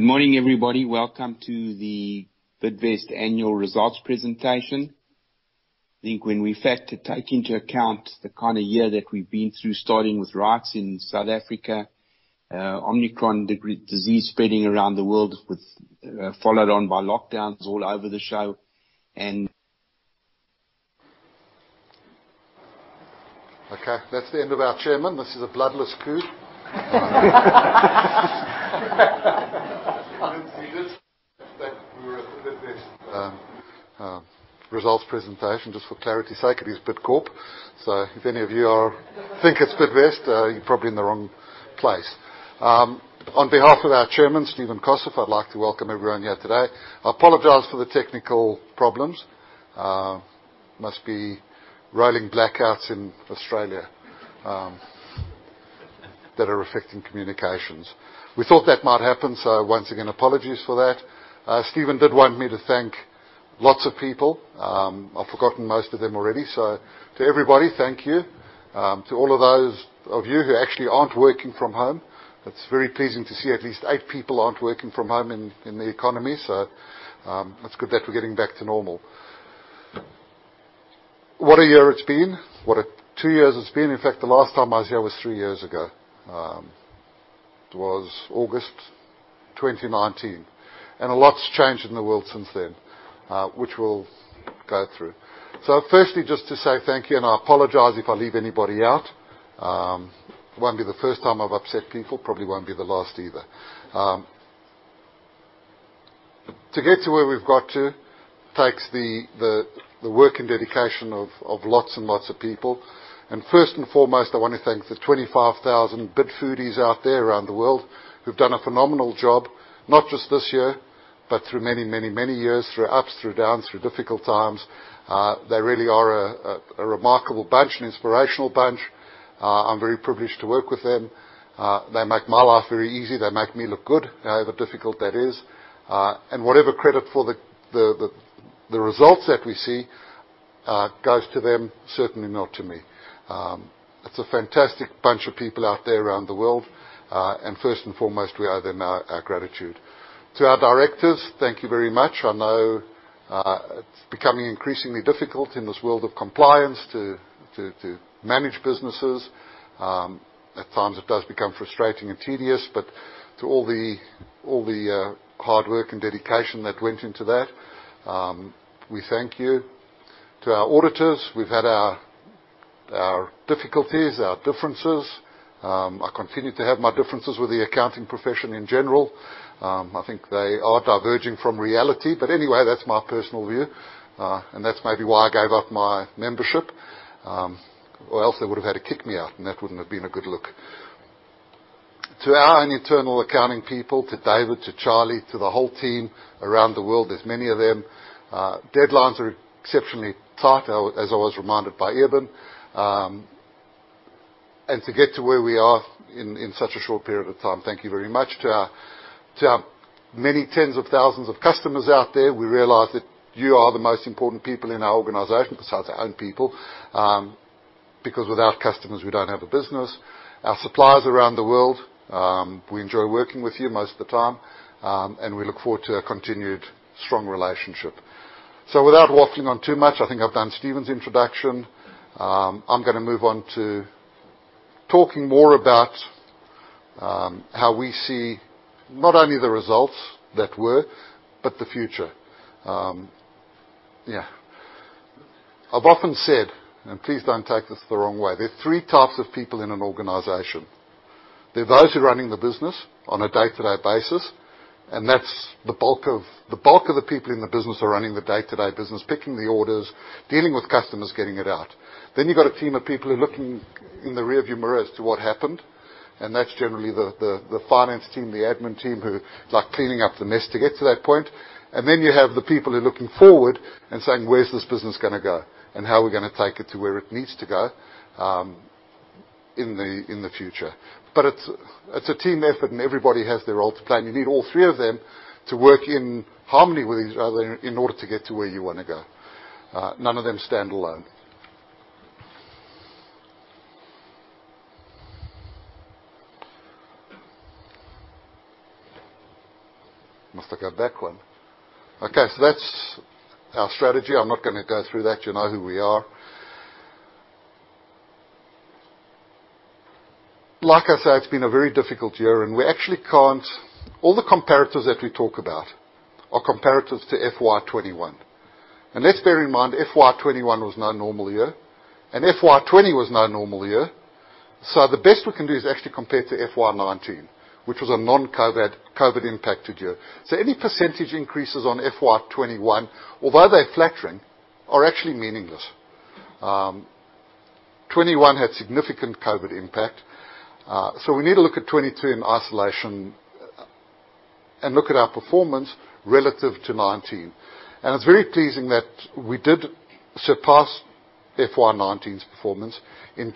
Good morning, everybody. Welcome to the Bidvest Annual Results presentation. I think when we factor, take into account the kind of year that we've been through, starting with riots in South Africa, Omicron disease spreading around the world with followed on by lockdowns all over the show. Okay, that's the end of our chairman. This is a bloodless coup. I'm Stephen. Thank you. We're at Bidvest. Results presentation. Just for clarity's sake, it is Bidcorp. If any of you think it's Bidvest, you're probably in the wrong place. On behalf of our chairman, Stephen Koseff, I'd like to welcome everyone here today. I apologize for the technical problems. Must be rolling blackouts in Australia that are affecting communications. We thought that might happen, so once again, apologies for that. Stephen did want me to thank lots of people. I've forgotten most of them already. To everybody, thank you. To all of those of you who actually aren't working from home, that's very pleasing to see at least eight people aren't working from home in the economy. That's good that we're getting back to normal. What a year it's been. What a two years it's been. In fact, the last time I was here was three years ago. It was August 2019, and a lot's changed in the world since then, which we'll go through. Firstly, just to say thank you, and I apologize if I leave anybody out. Won't be the first time I've upset people. Probably won't be the last either. To get to where we've got to takes the work and dedication of lots and lots of people. First and foremost, I wanna thank the 25,000 Bidfoodies out there around the world who've done a phenomenal job, not just this year, but through many, many, many years. Through ups, through downs, through difficult times. They really are a remarkable bunch, an inspirational bunch. I'm very privileged to work with them. They make my life very easy. They make me look good, however difficult that is. Whatever credit for the results that we see goes to them, certainly not to me. It's a fantastic bunch of people out there around the world. First and foremost, we owe them our gratitude. To our directors, thank you very much. I know it's becoming increasingly difficult in this world of compliance to manage businesses. At times it does become frustrating and tedious, but to all the hard work and dedication that went into that, we thank you. To our auditors, we've had our difficulties, our differences. I continue to have my differences with the accounting profession in general. I think they are diverging from reality. Anyway, that's my personal view. That's maybe why I gave up my membership, or else they would've had to kick me out, and that wouldn't have been a good look. To our own internal accounting people, to David, to Charlie, to the whole team around the world, there's many of them. Deadlines are exceptionally tight, as I was reminded by Evan. To get to where we are in such a short period of time, thank you very much. To our many tens of thousands of customers out there, we realize that you are the most important people in our organization besides our own people, because without customers, we don't have a business. Our suppliers around the world, we enjoy working with you most of the time, and we look forward to a continued strong relationship. Without waffling on too much, I think I've done Stephen's introduction. I'm gonna move on to talking more about how we see not only the results that were, but the future. Yeah. I've often said, and please don't take this the wrong way, there are three types of people in an organization. There are those who are running the business on a day-to-day basis, and that's the bulk of the people in the business are running the day-to-day business, picking the orders, dealing with customers, getting it out. You've got a team of people who are looking in the rear-view mirror as to what happened, and that's generally the finance team, the admin team who like cleaning up the mess to get to that point. You have the people who are looking forward and saying, "Where's this business gonna go, and how are we gonna take it to where it needs to go in the future?" It's a team effort, and everybody has their role to play, and you need all three of them to work in harmony with each other in order to get to where you wanna go. None of them stand alone. Must have got that one. Okay, so that's our strategy. I'm not gonna go through that. You know who we are. Like I said, it's been a very difficult year. All the comparators that we talk about are comparators to FY2021. Let's bear in mind, FY2021 was not a normal year, and FY2020 was not a normal year. The best we can do is actually compare to FY2019, which was a non-COVID impacted year. Any percentage increases on FY2021, although they're flattering, are actually meaningless. FY2021 had significant COVID impact, so we need to look at FY2022 in isolation and look at our performance relative to FY2019. It's very pleasing that we did surpass FY2019's performance in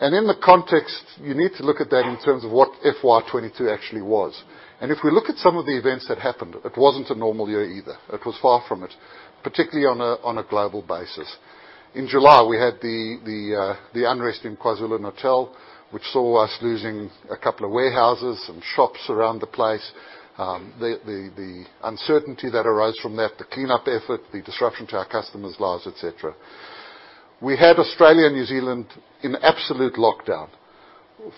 FY2022. In the context, you need to look at that in terms of what FY2022 actually was. If we look at some of the events that happened, it wasn't a normal year either. It was far from it, particularly on a global basis. In July, we had the unrest in KwaZulu-Natal, which saw us losing a couple of warehouses, some shops around the place. The uncertainty that arose from that, the cleanup effort, the disruption to our customers' lives, et cetera. We had Australia and New Zealand in absolute lockdown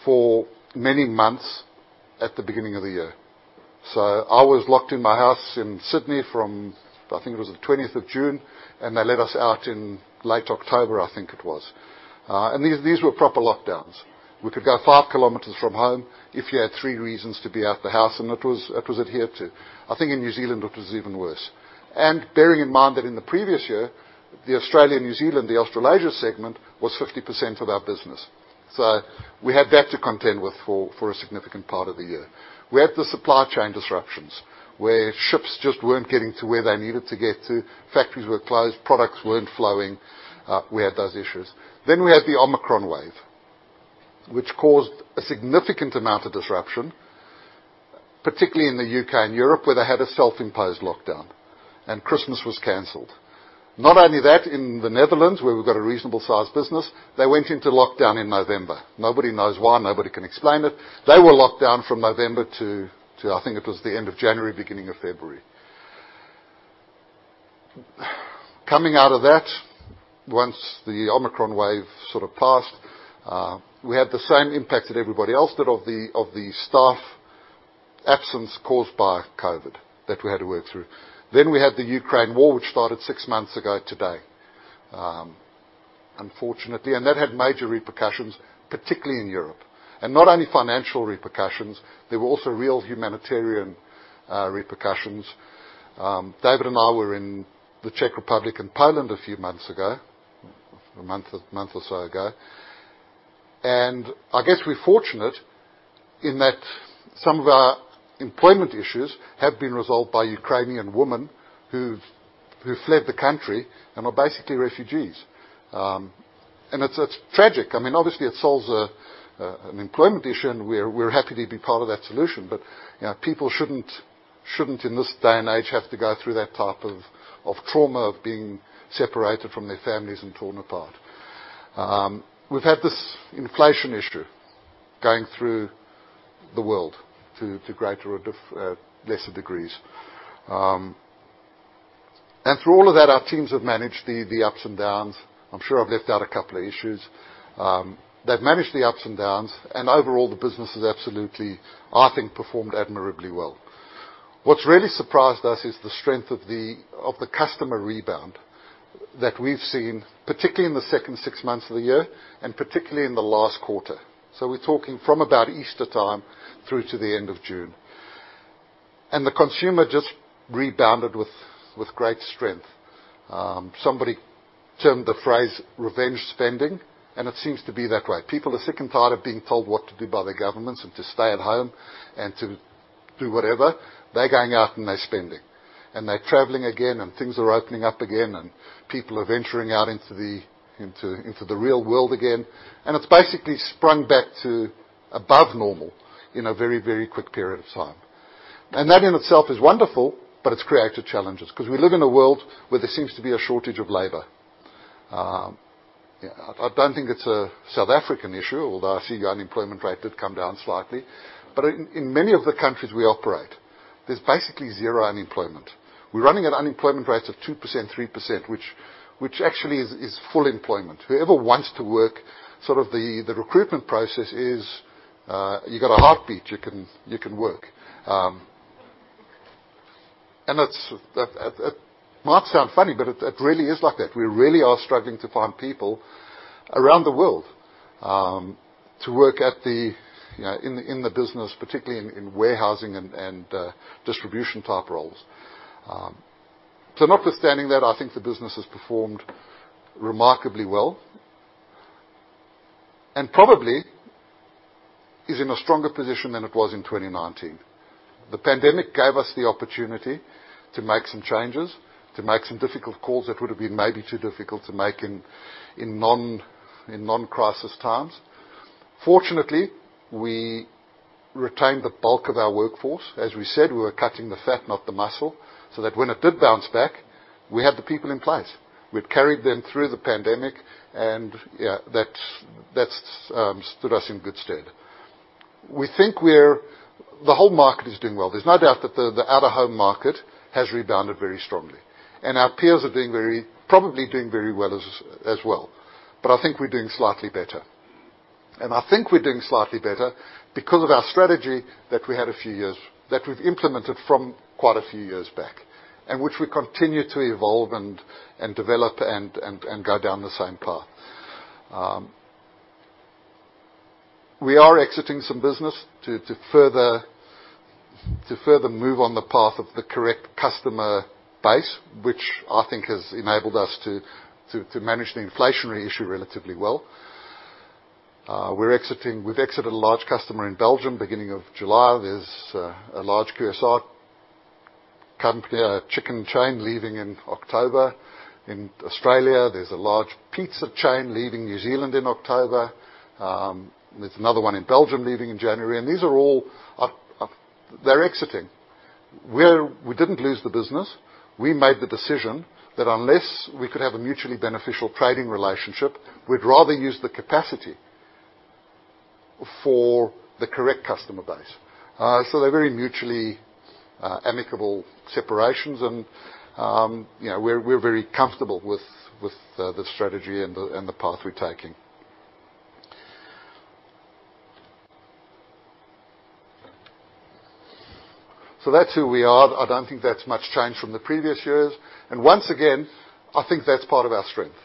for many months at the beginning of the year. I was locked in my house in Sydney from, I think it was the twentieth of June, and they let us out in late October, I think it was. These were proper lockdowns. We could go five kilometers from home if you had three reasons to be out the house, and it was adhered to. I think in New Zealand it was even worse. Bearing in mind that in the previous year, the Australia, New Zealand, the Australasia segment was 50% of our business. We had that to contend with for a significant part of the year. We had the supply chain disruptions, where ships just weren't getting to where they needed to get to, factories were closed, products weren't flowing. We had those issues. We had the Omicron wave, which caused a significant amount of disruption, particularly in the UK and Europe, where they had a self-imposed lockdown and Christmas was canceled. Not only that, in the Netherlands, where we've got a reasonable-sized business, they went into lockdown in November. Nobody knows why. Nobody can explain it. They were locked down from November to I think it was the end of January, beginning of February. Coming out of that, once the Omicron wave sort of passed, we had the same impact that everybody else did of the staff absence caused by COVID that we had to work through. We had the Ukraine war, which started six months ago today, unfortunately. That had major repercussions, particularly in Europe. Not only financial repercussions, there were also real humanitarian repercussions. David and I were in the Czech Republic and Poland a month or so ago, and I guess we're fortunate in that some of our employment issues have been resolved by Ukrainian women who fled the country and are basically refugees. It's tragic. I mean, obviously it solves an employment issue, and we're happy to be part of that solution. You know, people shouldn't in this day and age have to go through that type of trauma of being separated from their families and torn apart. We've had this inflation issue going through the world to greater or lesser degrees. Through all of that, our teams have managed the ups and downs. I'm sure I've left out a couple of issues. They've managed the ups and downs, and overall, the business has absolutely, I think, performed admirably well. What's really surprised us is the strength of the customer rebound that we've seen, particularly in the second six months of the year, and particularly in the last quarter. We're talking from about Easter time through to the end of June. The consumer just rebounded with great strength. Somebody termed the phrase revenge spending, and it seems to be that way. People are sick and tired of being told what to do by their governments and to stay at home and to do whatever. They're going out and they're spending, and they're traveling again, and things are opening up again, and people are venturing out into the real world again. It's basically sprung back to above normal in a very quick period of time. That in itself is wonderful, but it's created challenges, 'cause we live in a world where there seems to be a shortage of labor. I don't think it's a South African issue, although I see your unemployment rate did come down slightly. In many of the countries we operate, there's basically zero unemployment. We're running at unemployment rates of 2%, 3%, which actually is full employment. Whoever wants to work, sort of the recruitment process is, you got a heartbeat, you can work. That might sound funny, but it really is like that. We really are struggling to find people around the world to work at the, you know, in the business, particularly in warehousing and distribution-type roles. Notwithstanding that, I think the business has performed remarkably well and probably is in a stronger position than it was in 2019. The pandemic gave us the opportunity to make some changes, to make some difficult calls that would have been maybe too difficult to make in non-crisis times. Fortunately, we retained the bulk of our workforce. As we said, we were cutting the fat, not the muscle, so that when it did bounce back, we had the people in place. We'd carried them through the pandemic and, yeah, that's stood us in good stead. We think we're. The whole market is doing well. There's no doubt that the out-of-home market has rebounded very strongly. Our peers are probably doing very well as well. I think we're doing slightly better. I think we're doing slightly better because of our strategy that we had a few years that we've implemented from quite a few years back, and which we continue to evolve and develop and go down the same path. We are exiting some business to further move on the path of the correct customer base, which I think has enabled us to manage the inflationary issue relatively well. We've exited a large customer in Belgium, beginning of July. There's a large QSR company, a chicken chain leaving in October. In Australia, there's a large pizza chain leaving in New Zealand in October. There's another one in Belgium leaving in January. These are all. They're exiting. We didn't lose the business. We made the decision that unless we could have a mutually beneficial trading relationship, we'd rather use the capacity for the correct customer base. They're very mutually amicable separations and you know, we're very comfortable with the strategy and the path we're taking. That's who we are. I don't think that's much change from the previous years. Once again, I think that's part of our strength,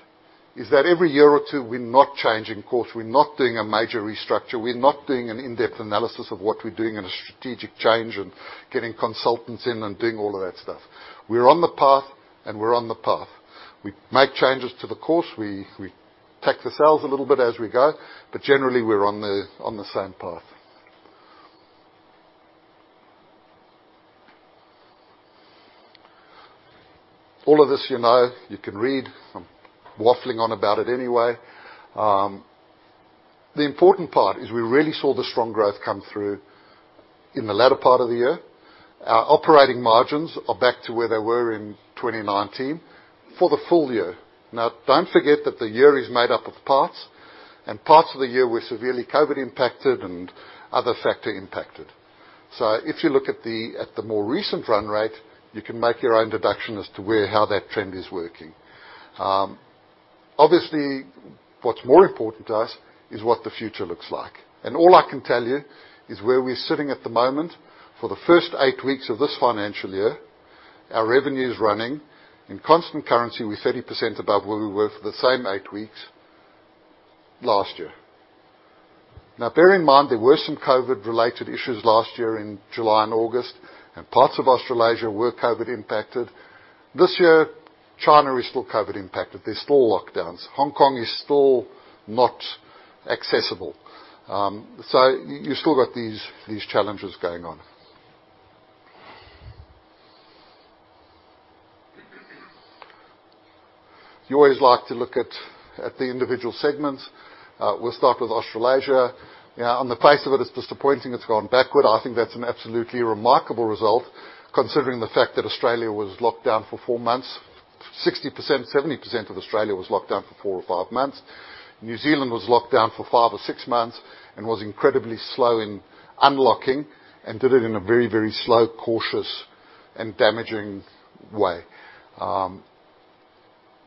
is that every year or two, we're not changing course, we're not doing a major restructure, we're not doing an in-depth analysis of what we're doing and a strategic change and getting consultants in and doing all of that stuff. We're on the path, and we're on the path. We make changes to the course, we tack the sails a little bit as we go, but generally we're on the same path. All of this, you know, you can read. I'm waffling on about it anyway. The important part is we really saw the strong growth come through in the latter part of the year. Our operating margins are back to where they were in 2019 for the full year. Don't forget that the year is made up of parts, and parts of the year were severely COVID impacted and other factor impacted. If you look at the more recent run rate, you can make your own deduction as to where how that trend is working. Obviously, what's more important to us is what the future looks like. All I can tell you is where we're sitting at the moment. For the first eight weeks of this financial year, our revenue is running. In constant currency, we're 30% above where we were for the same eight weeks last year. Bear in mind, there were some COVID-related issues last year in July and August, and parts of Australasia were COVID impacted. This year, China is still COVID impacted. There's still lockdowns. Hong Kong is still not accessible. You still got these challenges going on. You always like to look at the individual segments. We'll start with Australasia. On the face of it's disappointing it's gone backward. I think that's an absolutely remarkable result, considering the fact that Australia was locked down for 4 months. 60%, 70% of Australia was locked down for 4 or 5 months. New Zealand was locked down for 5 or 6 months and was incredibly slow in unlocking and did it in a very slow, cautious, and damaging way.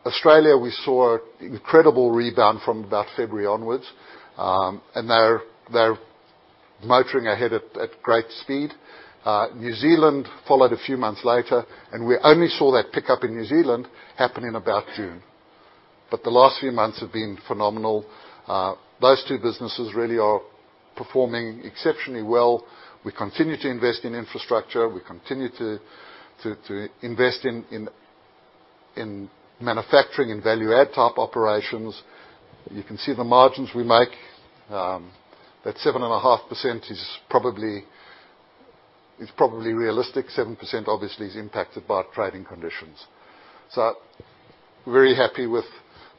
Australia, we saw an incredible rebound from about February onwards, and they're motoring ahead at great speed. New Zealand followed a few months later, and we only saw that pickup in New Zealand happen in about June. The last few months have been phenomenal. Those two businesses really are performing exceptionally well. We continue to invest in infrastructure. We continue to invest in manufacturing and value add type operations. You can see the margins we make. That 7.5% is probably realistic. 7% obviously is impacted by trading conditions. Very happy with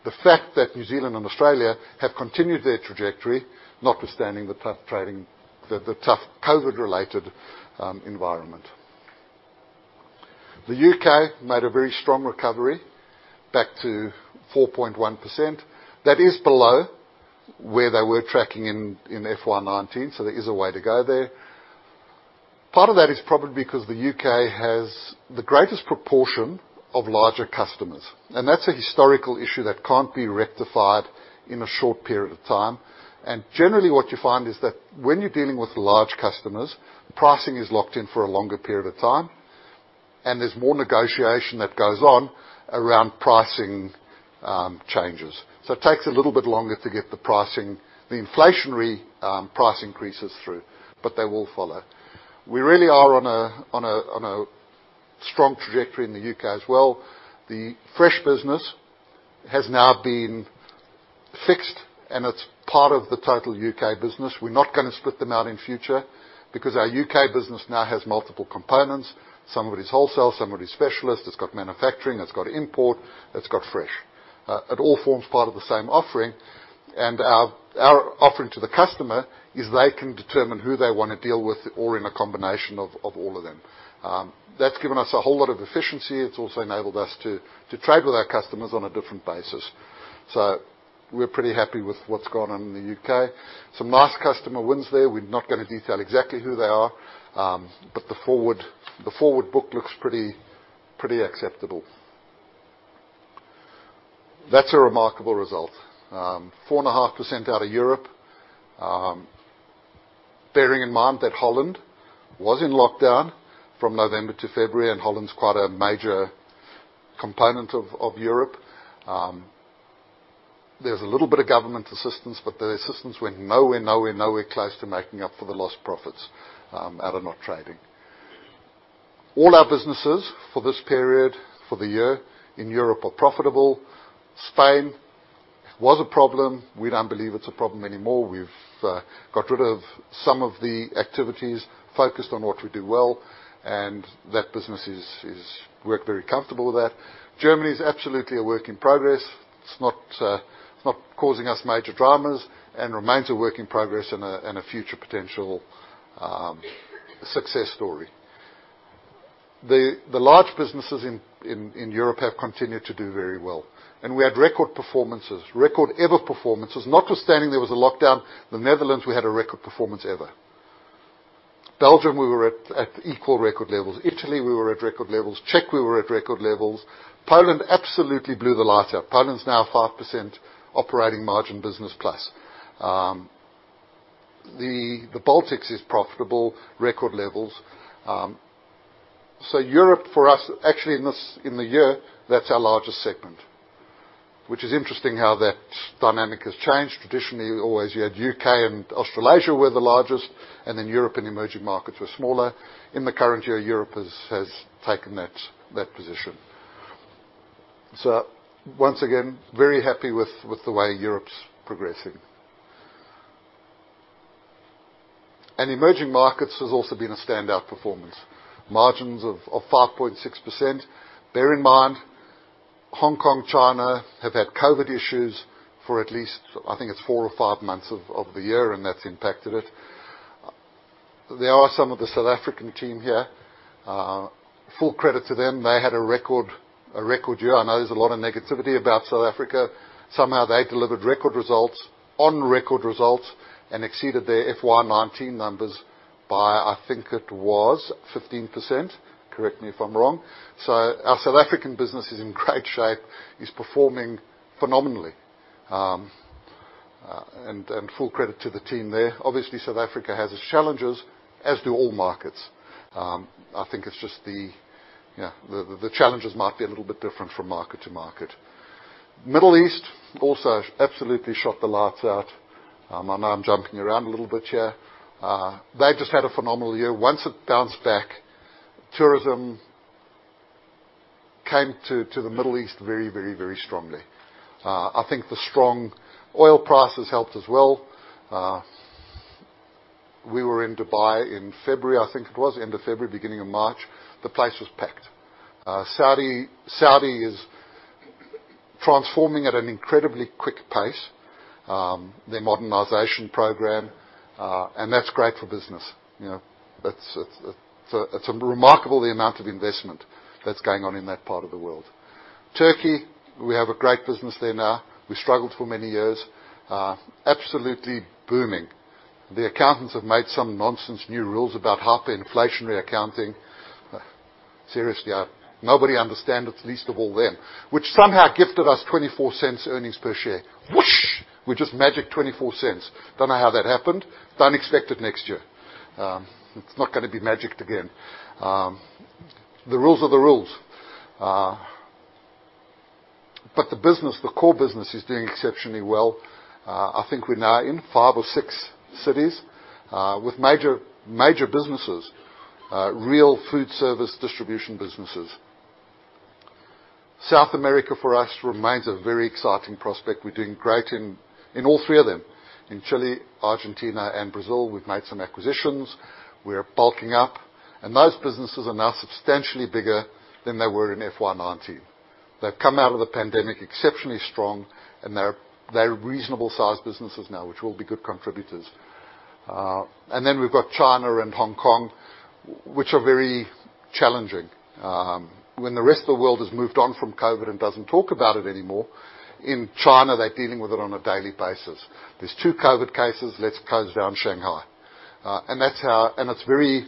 the fact that New Zealand and Australia have continued their trajectory, notwithstanding the tough trading, the tough COVID-related environment. The UK made a very strong recovery back to 4.1%. That is below where they were tracking in FY2019, so there is a way to go there. Part of that is probably because the UK has the greatest proportion of larger customers, and that's a historical issue that can't be rectified in a short period of time. Generally, what you find is that when you're dealing with large customers, pricing is locked in for a longer period of time, and there's more negotiation that goes on around pricing, changes. It takes a little bit longer to get the pricing, the inflationary, price increases through, but they will follow. We really are on a strong trajectory in the UK as well. The fresh business has now been fixed, and it's part of the total UK business. We're not gonna split them out in future because our UK business now has multiple components. Some of it is wholesale, some of it is specialist. It's got manufacturing, it's got import, it's got fresh. It all forms part of the same offering. Our offering to the customer is they can determine who they wanna deal with or in a combination of all of them. That's given us a whole lot of efficiency. It's also enabled us to trade with our customers on a different basis. We're pretty happy with what's gone on in the UK. Some nice customer wins there. We're not gonna detail exactly who they are, but the forward book looks pretty acceptable. That's a remarkable result. 4.5% out of Europe. Bearing in mind that Holland was in lockdown from November to February, and Holland's quite a major component of Europe. There's a little bit of government assistance, but the assistance went nowhere close to making up for the lost profits out of not trading. All our businesses for this period, for the year in Europe are profitable. Spain was a problem. We don't believe it's a problem anymore. We've got rid of some of the activities, focused on what we do well, and that business is. We're very comfortable with that. Germany is absolutely a work in progress. It's not causing us major dramas and remains a work in progress and a future potential success story. The large businesses in Europe have continued to do very well, and we had record performances, record ever performances. Notwithstanding there was a lockdown, the Netherlands, we had a record performance ever. Belgium, we were at equal record levels. Italy, we were at record levels. Czech, we were at record levels. Poland absolutely blew the light out. Poland's now 5% operating margin business plus. The Baltics is profitable, record levels. Europe for us actually in this year, that's our largest segment, which is interesting how that dynamic has changed. Traditionally, always you had UK and Australasia were the largest, and then Europe and emerging markets were smaller. In the current year, Europe has taken that position. Once again, very happy with the way Europe's progressing. Emerging markets has also been a standout performance. Margins of 5.6%. Bear in mind, Hong Kong, China have had COVID issues for at least, I think it's four or five months of the year, and that's impacted it. There are some of the South African team here. Full credit to them. They had a record year. I know there's a lot of negativity about South Africa. They delivered record results on record results and exceeded their FY2019 numbers by, I think it was 15%. Correct me if I'm wrong. Our South African business is in great shape, is performing phenomenally. Full credit to the team there. Obviously, South Africa has its challenges, as do all markets. I think it's just the, you know, challenges might be a little bit different from market to market. Middle East also absolutely shut the lights out. I know I'm jumping around a little bit here. They just had a phenomenal year. Once it bounced back, tourism came to the Middle East very strongly. I think the strong oil prices helped as well. We were in Dubai in February, I think it was, end of February, beginning of March. The place was packed. Saudi is transforming at an incredibly quick pace, their modernization program, and that's great for business. You know, it's remarkable the amount of investment that's going on in that part of the world. Turkey, we have a great business there now. We struggled for many years. Absolutely booming. The accountants have made some nonsense new rules about hyperinflationary accounting. Seriously, nobody understands, least of all them, which somehow gifted us 0.24 earnings per share. Whoosh. We just magicked 0.24. Don't know how that happened. Don't expect it next year. It's not gonna be magicked again. The rules are the rules. The business, the core business is doing exceptionally well. I think we're now in 5 or 6 cities, with major businesses, real food service distribution businesses. South America for us remains a very exciting prospect. We're doing great in all three of them. In Chile, Argentina, and Brazil, we've made some acquisitions. We are bulking up. Those businesses are now substantially bigger than they were in FY2019. They've come out of the pandemic exceptionally strong, and they're reasonable-sized businesses now, which will be good contributors. Then we've got China and Hong Kong, which are very challenging. When the rest of the world has moved on from COVID and doesn't talk about it anymore, in China, they're dealing with it on a daily basis. There's two COVID cases, let's close down Shanghai. That's how it's very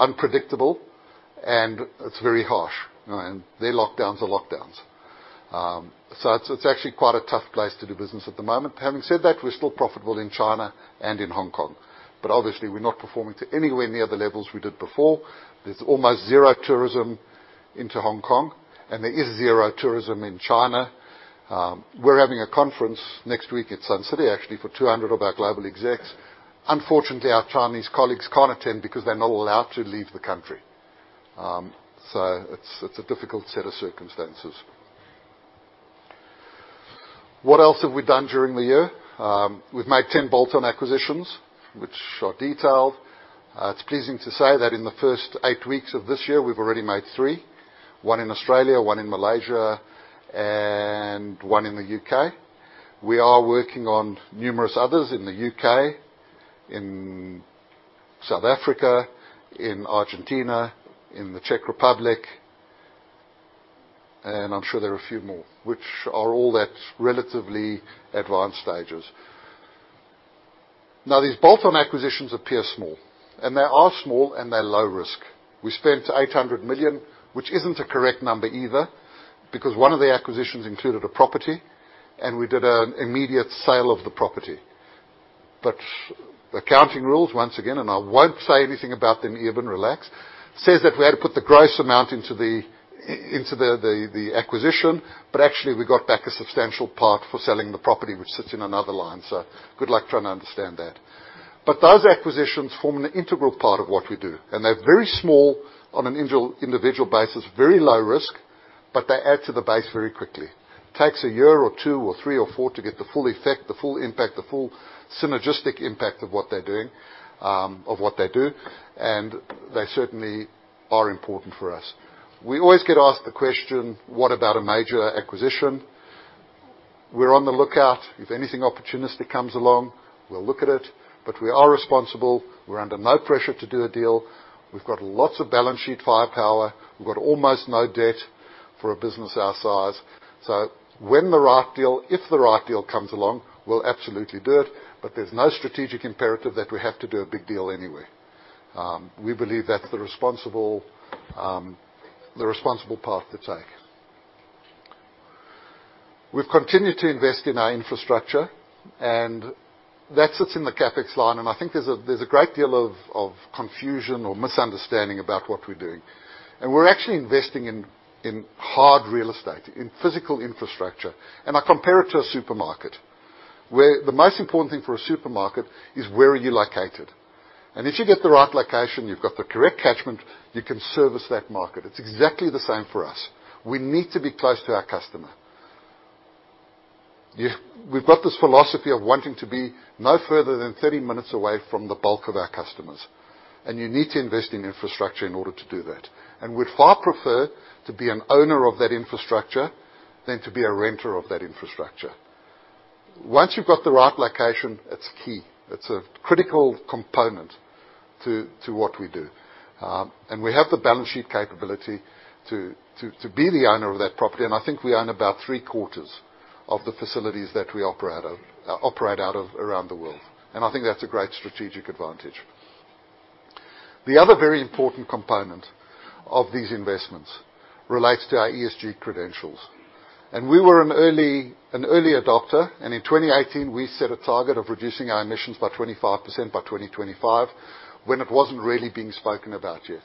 unpredictable, and it's very harsh. Their lockdowns are lockdowns. It's actually quite a tough place to do business at the moment. Having said that, we're still profitable in China and in Hong Kong, but obviously we're not performing to anywhere near the levels we did before. There's almost zero tourism into Hong Kong, and there is zero tourism in China. We're having a conference next week at Sun City, actually for 200 of our global execs. Unfortunately, our Chinese colleagues can't attend because they're not allowed to leave the country. It's a difficult set of circumstances. What else have we done during the year? We've made 10 bolt-on acquisitions, which are detailed. It's pleasing to say that in the first eight weeks of this year, we've already made three, one in Australia, one in Malaysia, and one in the UK. We are working on numerous others in the UK, in South Africa, in Argentina, in the Czech Republic, and I'm sure there are a few more, which are all at relatively advanced stages. Now, these bolt-on acquisitions appear small, and they are small, and they're low risk. We spent 800 million, which isn't a correct number either because one of the acquisitions included a property, and we did an immediate sale of the property. Accounting rules, once again, and I won't say anything about them even, relax, says that we had to put the gross amount into the acquisition, but actually we got back a substantial part for selling the property which sits in another line. Good luck trying to understand that. Those acquisitions form an integral part of what we do, and they're very small on an individual basis, very low risk, but they add to the base very quickly. Takes a year or two or three or four to get the full effect, the full impact, the full synergistic impact of what they're doing, of what they do, and they certainly are important for us. We always get asked the question, "What about a major acquisition?" We're on the lookout. If anything opportunistic comes along, we'll look at it, but we are responsible. We're under no pressure to do a deal. We've got lots of balance sheet firepower. We've got almost no debt for a business our size. When the right deal, if the right deal comes along, we'll absolutely do it, but there's no strategic imperative that we have to do a big deal anyway. We believe that's the responsible path to take. We've continued to invest in our infrastructure, and that sits in the CapEx line, and I think there's a great deal of confusion or misunderstanding about what we're doing. We're actually investing in hard real estate, in physical infrastructure, and I compare it to a supermarket, where the most important thing for a supermarket is where are you located. If you get the right location, you've got the correct catchment, you can service that market. It's exactly the same for us. We need to be close to our customer. We've got this philosophy of wanting to be no further than thirty minutes away from the bulk of our customers, and you need to invest in infrastructure in order to do that. We'd far prefer to be an owner of that infrastructure than to be a renter of that infrastructure. Once you've got the right location, it's key. It's a critical component to what we do. We have the balance sheet capability to be the owner of that property, and I think we own about three-quarters of the facilities that we operate out of around the world, and I think that's a great strategic advantage. The other very important component of these investments relates to our ESG credentials. We were an early adopter, and in 2018, we set a target of reducing our emissions by 25% by 2025 when it wasn't really being spoken about yet.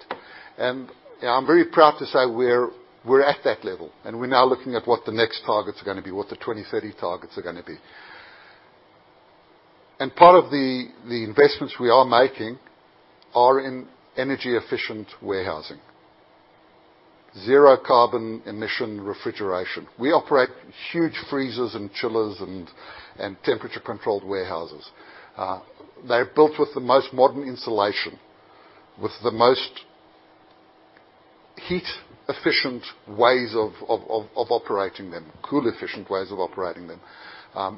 I'm very proud to say we're at that level, and we're now looking at what the next targets are gonna be, what the 2030 targets are gonna be. Part of the investments we are making are in energy-efficient warehousing, zero carbon emission refrigeration. We operate huge freezers and chillers and temperature-controlled warehouses. They're built with the most modern insulation, with the most heat-efficient ways of operating them, cool-efficient ways of operating them,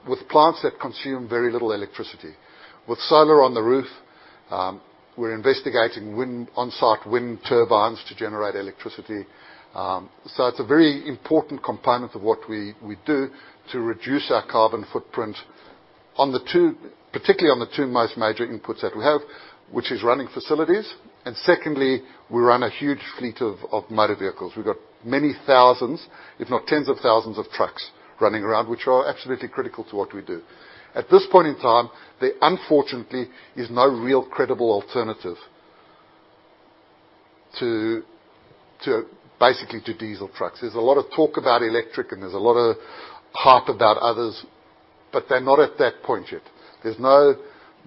with plants that consume very little electricity. With solar on the roof, we're investigating on-site wind turbines to generate electricity. It's a very important component of what we do to reduce our carbon footprint particularly on the two most major inputs that we have, which is running facilities, and secondly, we run a huge fleet of motor vehicles. We've got many thousands, if not tens of thousands of trucks running around, which are absolutely critical to what we do. At this point in time, there unfortunately is no real credible alternative to basically diesel trucks. There's a lot of talk about electric, and there's a lot of hype about others, but they're not at that point yet. There's no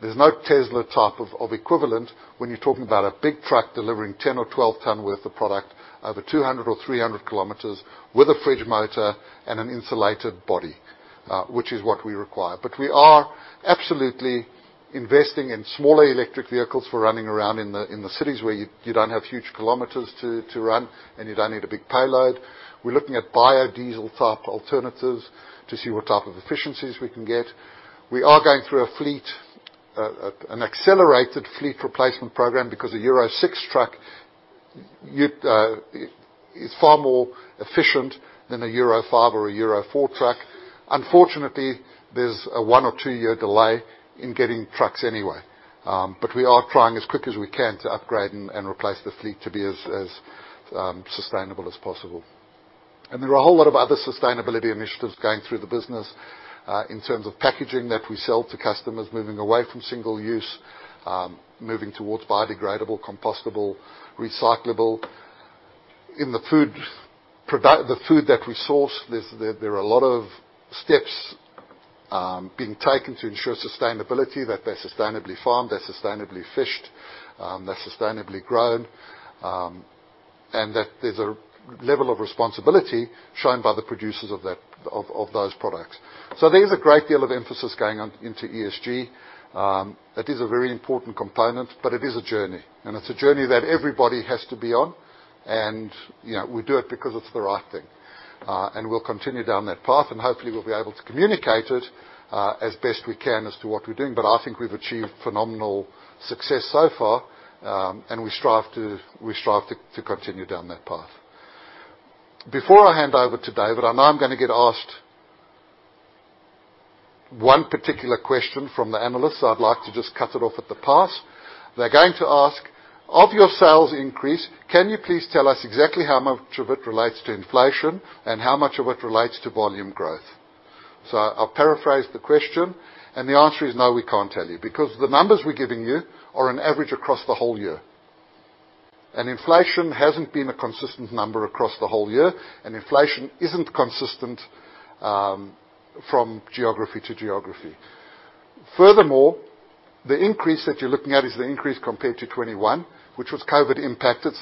Tesla type of equivalent when you're talking about a big truck delivering 10 or 12 ton worth of product over 200 or 300 kilometers with a fridge motor and an insulated body, which is what we require. We are absolutely investing in smaller electric vehicles for running around in the cities where you don't have huge kilometers to run, and you don't need a big payload. We're looking at biodiesel-type alternatives to see what type of efficiencies we can get. We are going through a fleet, an accelerated fleet replacement program because a Euro 6 truck, it's far more efficient than a Euro 5 or a Euro 4 truck. Unfortunately, there's a 1- or 2-year delay in getting trucks anyway. We are trying as quick as we can to upgrade and replace the fleet to be as sustainable as possible. There are a whole lot of other sustainability initiatives going through the business in terms of packaging that we sell to customers, moving away from single use, moving towards biodegradable, compostable, recyclable. In the food that we source, there are a lot of steps being taken to ensure sustainability, that they're sustainably farmed, they're sustainably fished, they're sustainably grown, and that there's a level of responsibility shown by the producers of that, of those products. There's a great deal of emphasis going on into ESG. That is a very important component, but it is a journey, and it's a journey that everybody has to be on. You know, we do it because it's the right thing. We'll continue down that path, and hopefully, we'll be able to communicate it, as best we can as to what we're doing. I think we've achieved phenomenal success so far, and we strive to continue down that path. Before I hand over to David, I know I'm gonna get asked one particular question from the analysts. I'd like to just cut it off at the pass. They're going to ask, "Of your sales increase, can you please tell us exactly how much of it relates to inflation and how much of it relates to volume growth?" I'll paraphrase the question, and the answer is no, we can't tell you, because the numbers we're giving you are an average across the whole year. Inflation hasn't been a consistent number across the whole year, and inflation isn't consistent from geography to geography. Furthermore, the increase that you're looking at is the increase compared to 2021, which was COVID impacted.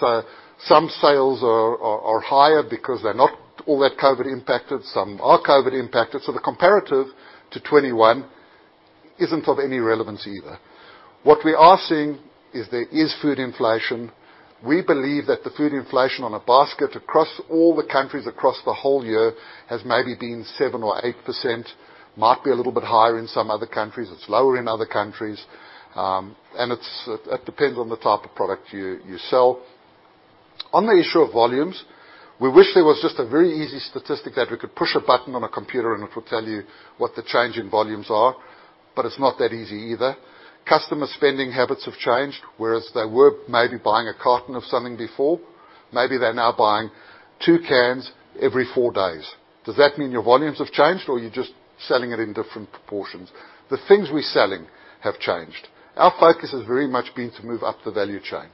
Some sales are higher because they're not all that COVID impacted, some are COVID impacted, so the comparative to 2021 isn't of any relevance either. What we are seeing is there is food inflation. We believe that the food inflation on a basket across all the countries across the whole year has maybe been 7% or 8%. Might be a little bit higher in some other countries, it's lower in other countries, and it depends on the type of product you sell. On the issue of volumes, we wish there was just a very easy statistic that we could push a button on a computer, and it would tell you what the change in volumes are, but it's not that easy either. Customer spending habits have changed. Whereas they were maybe buying a carton of something before, maybe they're now buying 2 cans every 4 days. Does that mean your volumes have changed, or are you just selling it in different proportions? The things we're selling have changed. Our focus has very much been to move up the value chain.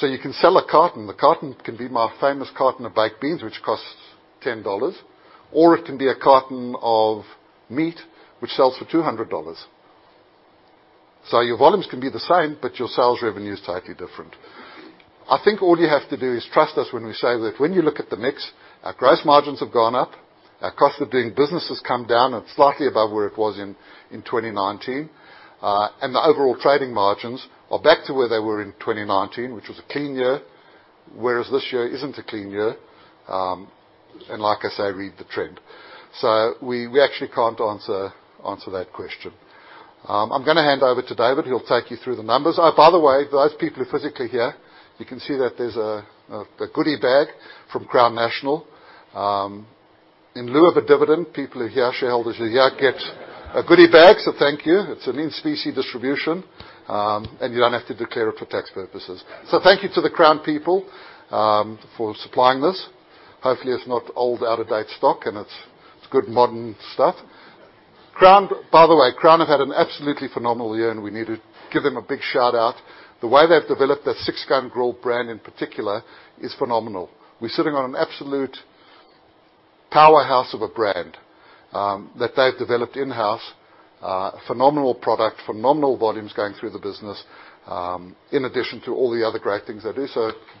You can sell a carton. The carton can be my famous carton of baked beans, which costs $10, or it can be a carton of meat, which sells for $200. Your volumes can be the same, but your sales revenue is slightly different. I think all you have to do is trust us when we say that when you look at the mix, our gross margins have gone up, our cost of doing business has come down and slightly above where it was in 2019. The overall trading margins are back to where they were in 2019, which was a clean year, whereas this year isn't a clean year. Like I say, read the trend. We actually can't answer that question. I'm gonna hand over to David. He'll take you through the numbers. Oh, by the way, those people who are physically here, you can see that there's a goodie bag from Crown National. In lieu of a dividend, people who are here, shareholders who are here get a goodie bag, so thank you. It's an in-specie distribution, and you don't have to declare it for tax purposes. Thank you to the Crown people for supplying this. Hopefully, it's not old, out-of-date stock, and it's good, modern stuff. Crown. By the way, Crown have had an absolutely phenomenal year, and we need to give them a big shout-out. The way they've developed that Six Gun Grill brand in particular is phenomenal. We're sitting on an absolute powerhouse of a brand that they've developed in-house. Phenomenal product, phenomenal volumes going through the business, in addition to all the other great things they do.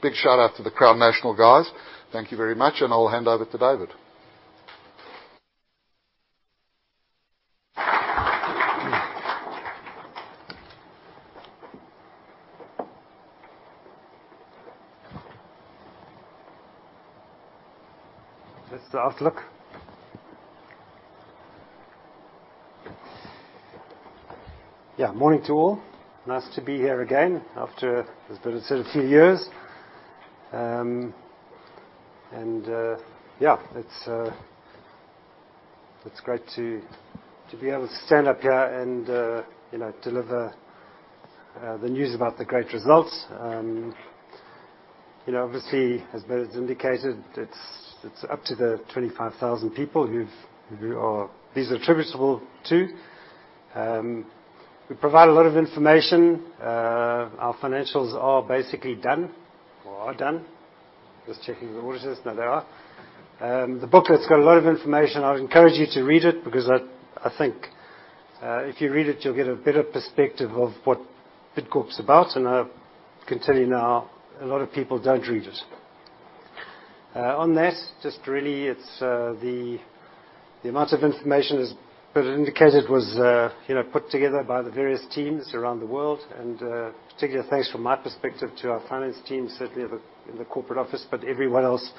Big shout-out to the Crown National guys. Thank you very much, and I'll hand over to David. That's the outlook. Yeah, morning to all. Nice to be here again after, as Bernard said, a few years. It's great to be able to stand up here and you know deliver the news about the great results. You know, obviously, as Bernard's indicated, it's up to the 25,000 people who we are. These are attributable to. We provide a lot of information. Our financials are basically done or are done. Just checking the auditors. No, they are. The booklet's got a lot of information. I would encourage you to read it because I think if you read it, you'll get a better perspective of what Bidcorp's about. I can tell you now, a lot of people don't read it. On that, just really it's the amount of information, as Bernard indicated, was, you know, put together by the various teams around the world. Particular thanks from my perspective to our finance team, certainly in the corporate office, but everyone else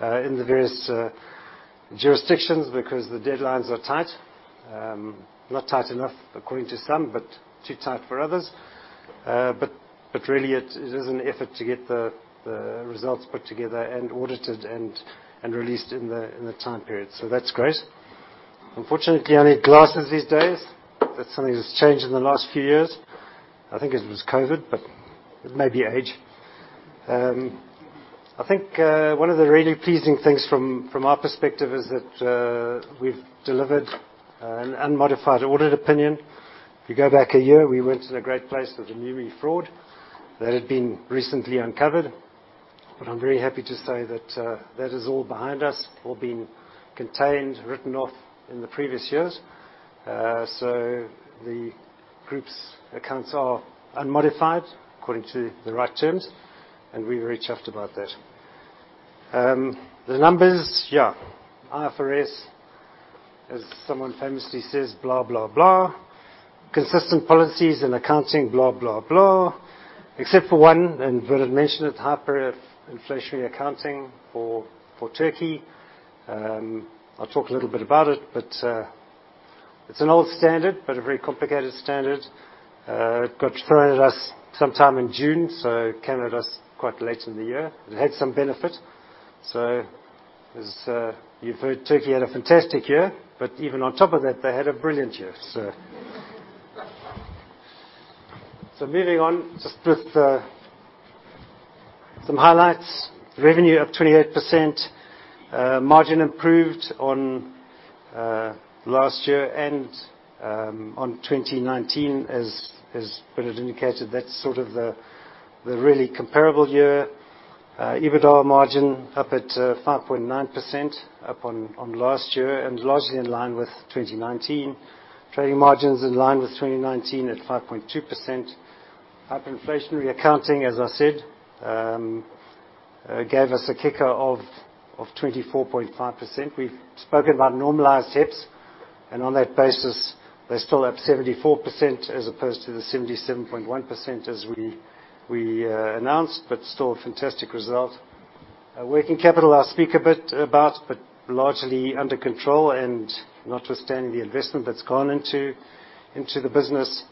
in the various jurisdictions because the deadlines are tight. Not tight enough according to some, but too tight for others. Really it is an effort to get the results put together and audited and released in the time period. That's great. Unfortunately, I need glasses these days. That's something that's changed in the last few years. I think it was COVID, but it may be age. I think one of the really pleasing things from our perspective is that we've delivered an unmodified audit opinion. If you go back a year, we weren't in a great place with the Miumi fraud that had been recently uncovered. I'm very happy to say that that is all behind us, all been contained, written off in the previous years. The group's accounts are unmodified according to the right terms, and we're really chuffed about that. The numbers, yeah. IFRS, as someone famously says, blah, blah. Consistent policies and accounting, blah, blah, except for one, and Bernard mentioned it, hyperinflationary accounting for Turkey. I'll talk a little bit about it, but it's an old standard, but a very complicated standard. It got thrown at us sometime in June, so it came at us quite late in the year. It had some benefit. As you've heard, Turkey had a fantastic year, but even on top of that, they had a brilliant year. Moving on just with some highlights, revenue up 28%. Margin improved on last year and on 2019 as Bernard indicated, that's sort of the really comparable year. EBITDA margin up at 5.9% on last year and largely in line with 2019. Trading margins in line with 2019 at 5.2%. Hyperinflationary accounting, as I said, gave us a kicker of 24.5%. We've spoken about normalized HEPS, and on that basis, they're still up 74% as opposed to the 77.1% as we announced, but still a fantastic result. Working capital, I'll speak a bit about, but largely under control and notwithstanding the investment that's gone into the business.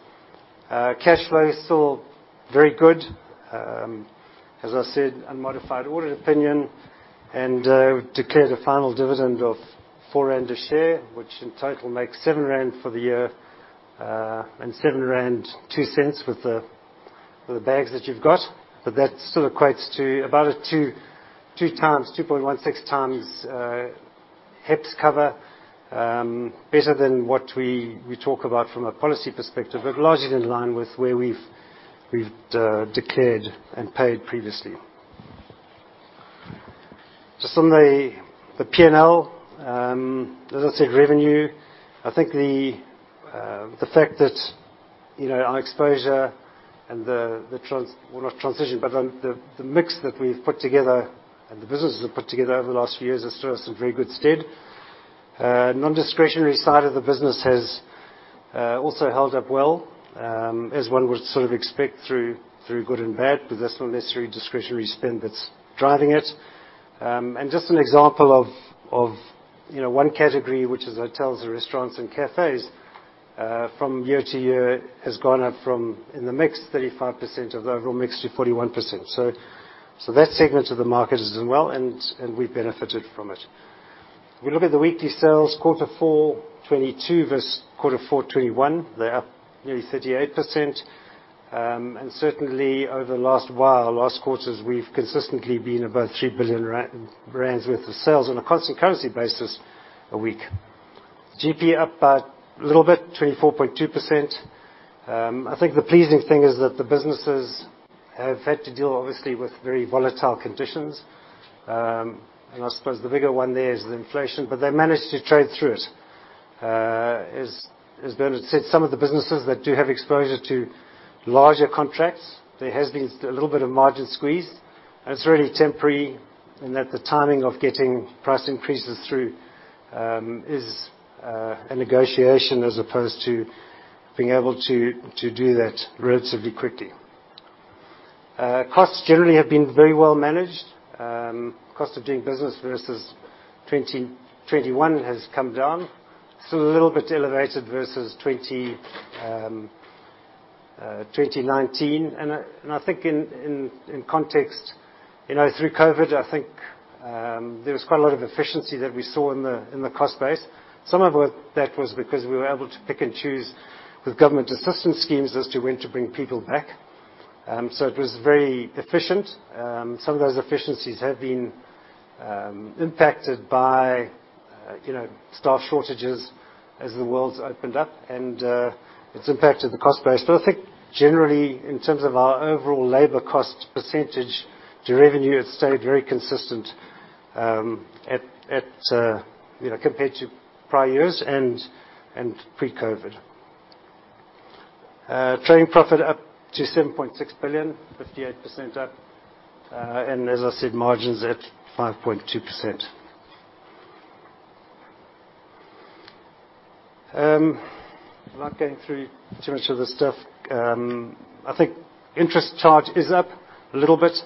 Cash flow is still very good. As I said, unmodified audit opinion, and we've declared a final dividend of 4 rand a share, which in total makes 7 rand for the year, and 7.02 rand with the bags that you've got. That still equates to about a 2x, 2.16x HEPS cover, better than what we talk about from a policy perspective, but largely in line with where we've declared and paid previously. Just on the P&L, as I said, revenue. I think the fact that, you know, our exposure and the trans, well not transition, but the mix that we've put together and the businesses we've put together over the last few years has stood us in very good stead. Non-discretionary side of the business has also held up well, as one would sort of expect through good and bad, but there's no necessary discretionary spend that's driving it. Just an example of you know one category, which is hotels or restaurants and cafes, from year to year has gone up from in the mix, 35% of the overall mix to 41%. That segment of the market has done well and we've benefited from it. If we look at the weekly sales, Q4 2022 versus Q4 2021, they're up nearly 38%. Certainly over the last while, last quarters, we've consistently been above 3 billion rand worth of sales on a constant currency basis a week. GP up by a little bit, 24.2%. I think the pleasing thing is that the businesses have had to deal obviously with very volatile conditions. I suppose the bigger one there is the inflation, but they managed to trade through it. As Bernard said, some of the businesses that do have exposure to larger contracts, there has been a little bit of margin squeeze, and it's really temporary in that the timing of getting price increases through is a negotiation as opposed to being able to do that relatively quickly. Costs generally have been very well managed. Cost of doing business versus 2021 has come down. Still a little bit elevated versus 2019. I think in context, you know, through COVID, I think there was quite a lot of efficiency that we saw in the cost base. Some of that was because we were able to pick and choose with government assistance schemes as to when to bring people back. It was very efficient. Some of those efficiencies have been impacted by, you know, staff shortages as the world's opened up and it's impacted the cost base. I think generally in terms of our overall labor cost percentage to revenue, it's stayed very consistent, you know, compared to prior years and pre-COVID. Trading profit up to 7.6 billion, 58% up. As I said, margins at 5.2%. I'm not going through too much of this stuff. I think interest charge is up a little bit,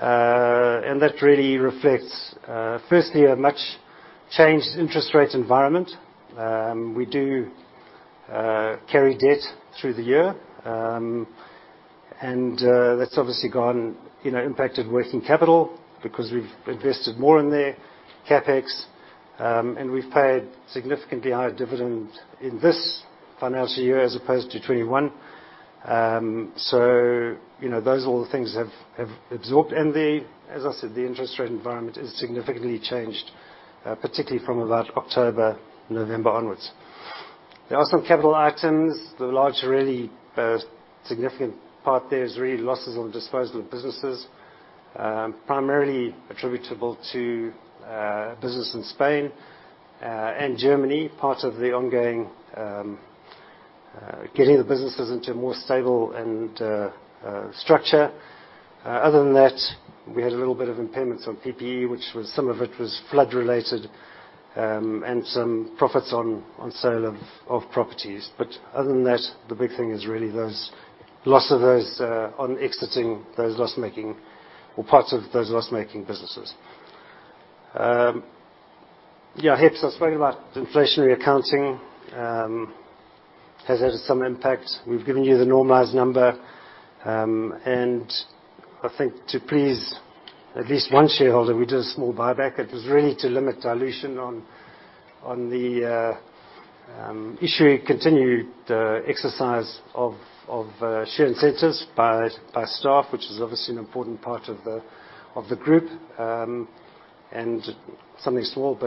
and that really reflects, firstly, a much-changed interest rate environment. We do carry debt through the year. That's obviously gone, you know, impacted working capital because we've invested more in there, CapEx, and we've paid significantly higher dividend in this financial year as opposed to 2021. So, you know, those are all the things have absorbed. As I said, the interest rate environment has significantly changed, particularly from about October, November onwards. There are some capital items. The large really significant part there is really losses on disposal of businesses, primarily attributable to business in Spain and Germany, part of the ongoing getting the businesses into a more stable and structure. Other than that, we had a little bit of impairments on PPE, which was some of it was flood related, and some profits on sale of properties. Other than that, the big thing is really those losses on exiting those loss-making or parts of those loss-making businesses. HEPS, I spoke about hyperinflationary accounting, has had some impact. We've given you the normalized number. I think to please at least one shareholder, we did a small buyback. It was really to limit dilution on the issuance continued exercise of share incentives by staff, which is obviously an important part of the group. Something small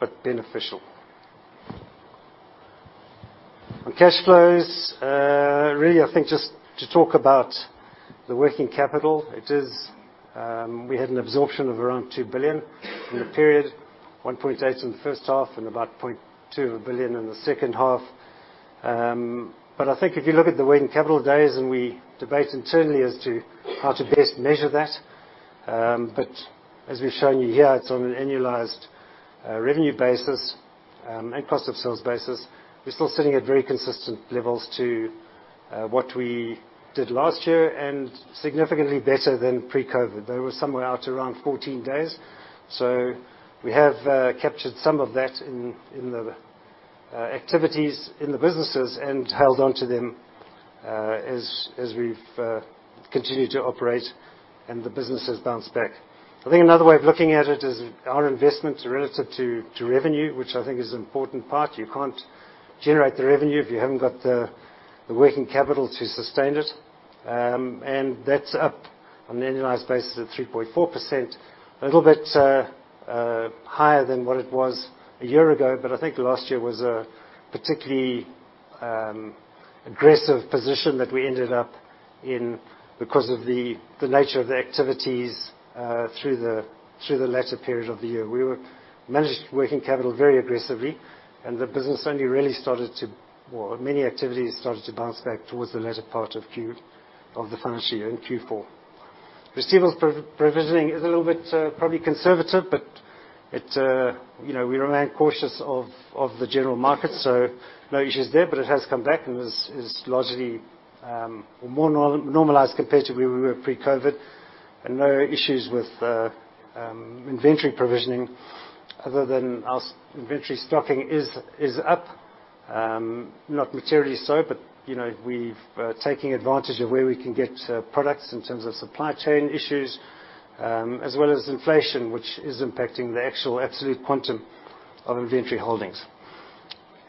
but beneficial. On cash flows, really, I think just to talk about the working capital. It is we had an absorption of around 2 billion in the period, 1.8 billion in the first half and about 0.2 billion in the second half. I think if you look at the working capital days, and we debate internally as to how to best measure that, but as we've shown you here, it's on an annualized revenue basis and cost of sales basis. We're still sitting at very consistent levels to what we did last year and significantly better than pre-COVID. They were somewhere out around 14 days. We have captured some of that in the activities in the businesses and held onto them as we've continued to operate and the business has bounced back. I think another way of looking at it is our investments relative to revenue, which I think is an important part. You can't generate the revenue if you haven't got the working capital to sustain it. That's up on an annualized basis of 3.4%. A little bit higher than what it was a year ago, but I think last year was a particularly aggressive position that we ended up in because of the nature of the activities through the latter period of the year. We were. Managed working capital very aggressively, and many activities started to bounce back towards the latter part of Q4 of the financial year. Receivables provisioning is a little bit probably conservative, but it, you know, we remain cautious of the general market. No issues there, but it has come back and is largely more normalized compared to where we were pre-COVID. No issues with inventory provisioning other than our inventory stocking is up, not materially so, but, you know, we've been taking advantage of where we can get products in terms of supply chain issues, as well as inflation, which is impacting the actual absolute quantum of inventory holdings.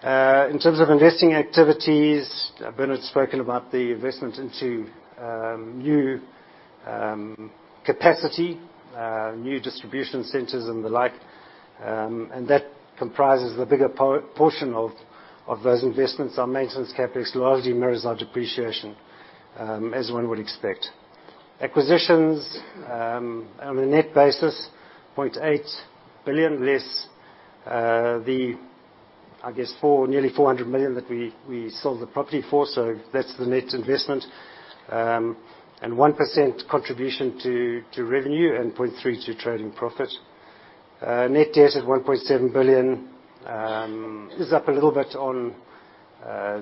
In terms of investing activities, Bernard's spoken about the investment into new capacity, new distribution centers and the like, and that comprises the bigger portion of those investments. Our maintenance CapEx largely mirrors our depreciation, as one would expect. Acquisitions, on a net basis, 0.8 billion less the, I guess, nearly 400 million that we sold the property for, so that's the net investment. 1% contribution to revenue and 0.3% to trading profit. Net debt at 1.7 billion is up a little bit on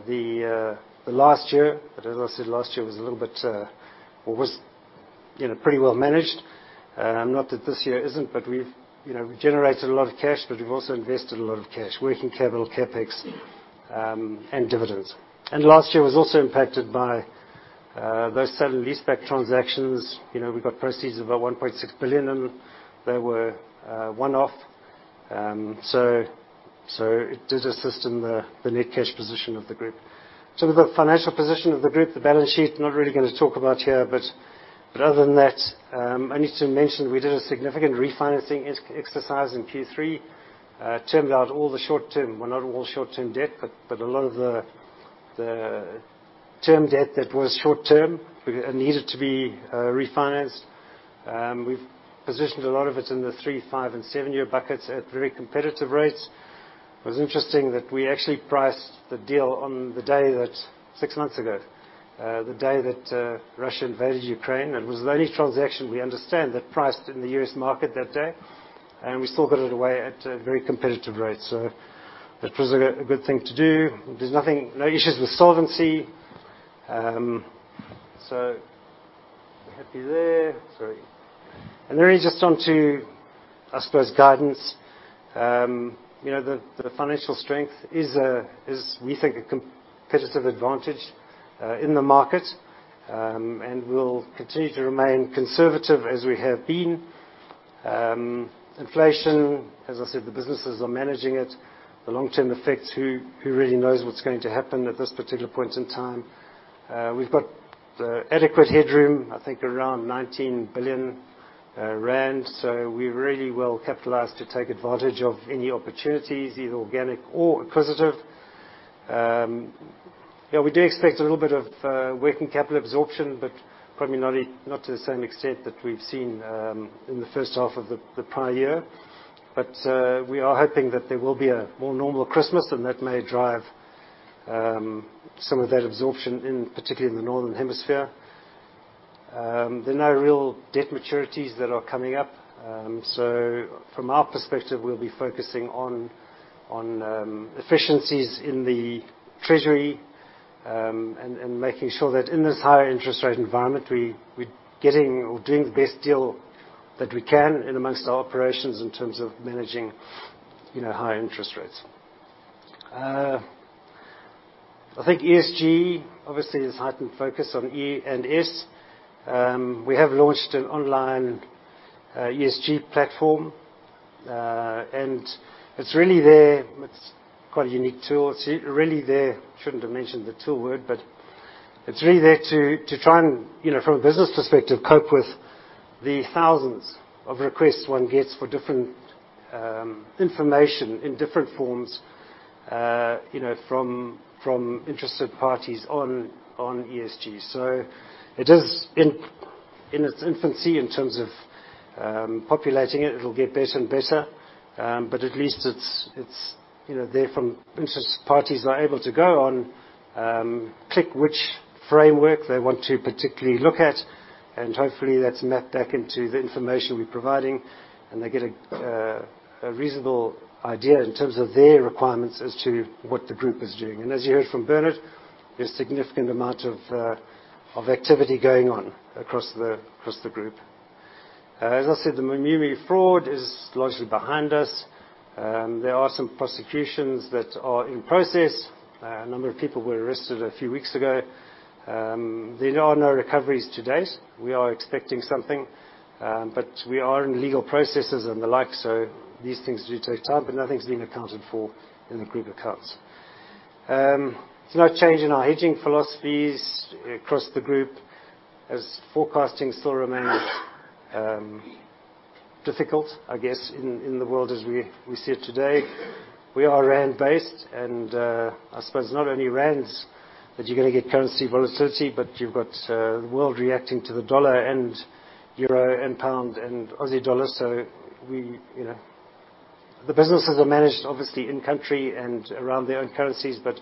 the last year. As I said, last year was a little bit, you know, pretty well managed. Not that this year isn't, but we've, you know, generated a lot of cash, but we've also invested a lot of cash, working capital, CapEx, and dividends. Last year was also impacted by those sale and leaseback transactions. You know, we got proceeds of about 1.6 billion, and they were one-off. So it did assist in the net cash position of the group. Some of the financial position of the group, the balance sheet, not really gonna talk about here, but other than that, only to mention we did a significant refinancing exercise in Q3. Termed out all the short-term. Well, not all short-term debt, but a lot of the term debt that was short-term and needed to be refinanced. We've positioned a lot of it in the three, five, and seven-year buckets at very competitive rates. It was interesting that we actually priced the deal on the day that Russia invaded Ukraine. It was the only transaction we understand that priced in the U.S. market that day, and we still got it away at a very competitive rate. That was a good thing to do. There's nothing, no issues with solvency. We're happy there. Sorry. Then really just onto, I suppose, guidance. You know, the financial strength is, we think, a competitive advantage in the market. We'll continue to remain conservative as we have been. Inflation, as I said, the businesses are managing it. The long-term effects. Who really knows what's going to happen at this particular point in time. We've got adequate headroom, I think around 19 billion rand. So we're really well-capitalized to take advantage of any opportunities, either organic or acquisitive. Yeah, we do expect a little bit of working capital absorption, but probably not to the same extent that we've seen in the first half of the prior year. We are hoping that there will be a more normal Christmas, and that may drive some of that absorption, particularly in the Northern Hemisphere. There are no real debt maturities that are coming up. From our perspective, we'll be focusing on efficiencies in the treasury, and making sure that in this higher interest rate environment, we're getting or doing the best deal that we can in amongst our operations in terms of managing, you know, high interest rates. I think ESG, obviously, there's heightened focus on E and S. We have launched an online ESG platform. And it's really there. It's quite a unique tool. It's really there to try and, you know, from a business perspective, cope with the thousands of requests one gets for different information in different forms, you know, from interested parties on ESG. It is in its infancy in terms of populating it. It'll get better and better. Interested parties are able to go on, click which framework they want to particularly look at, and hopefully that's mapped back into the information we're providing, and they get a reasonable idea in terms of their requirements as to what the group is doing. As you heard from Bernard, there's significant amount of activity going on across the group. As I said, the Miumi fraud is largely behind us. There are some prosecutions that are in process. A number of people were arrested a few weeks ago. There are no recoveries to date. We are expecting something, but we are in legal processes and the like, so these things do take time, but nothing's been accounted for in the group accounts. There's no change in our hedging philosophies across the group as forecasting still remains difficult, I guess, in the world as we see it today. We are rand-based, and I suppose not only rands that you're gonna get currency volatility, but you've got the world reacting to the US dollar and euro and pound and Aussie dollar. You know, the businesses are managed obviously in country and around their own currencies, but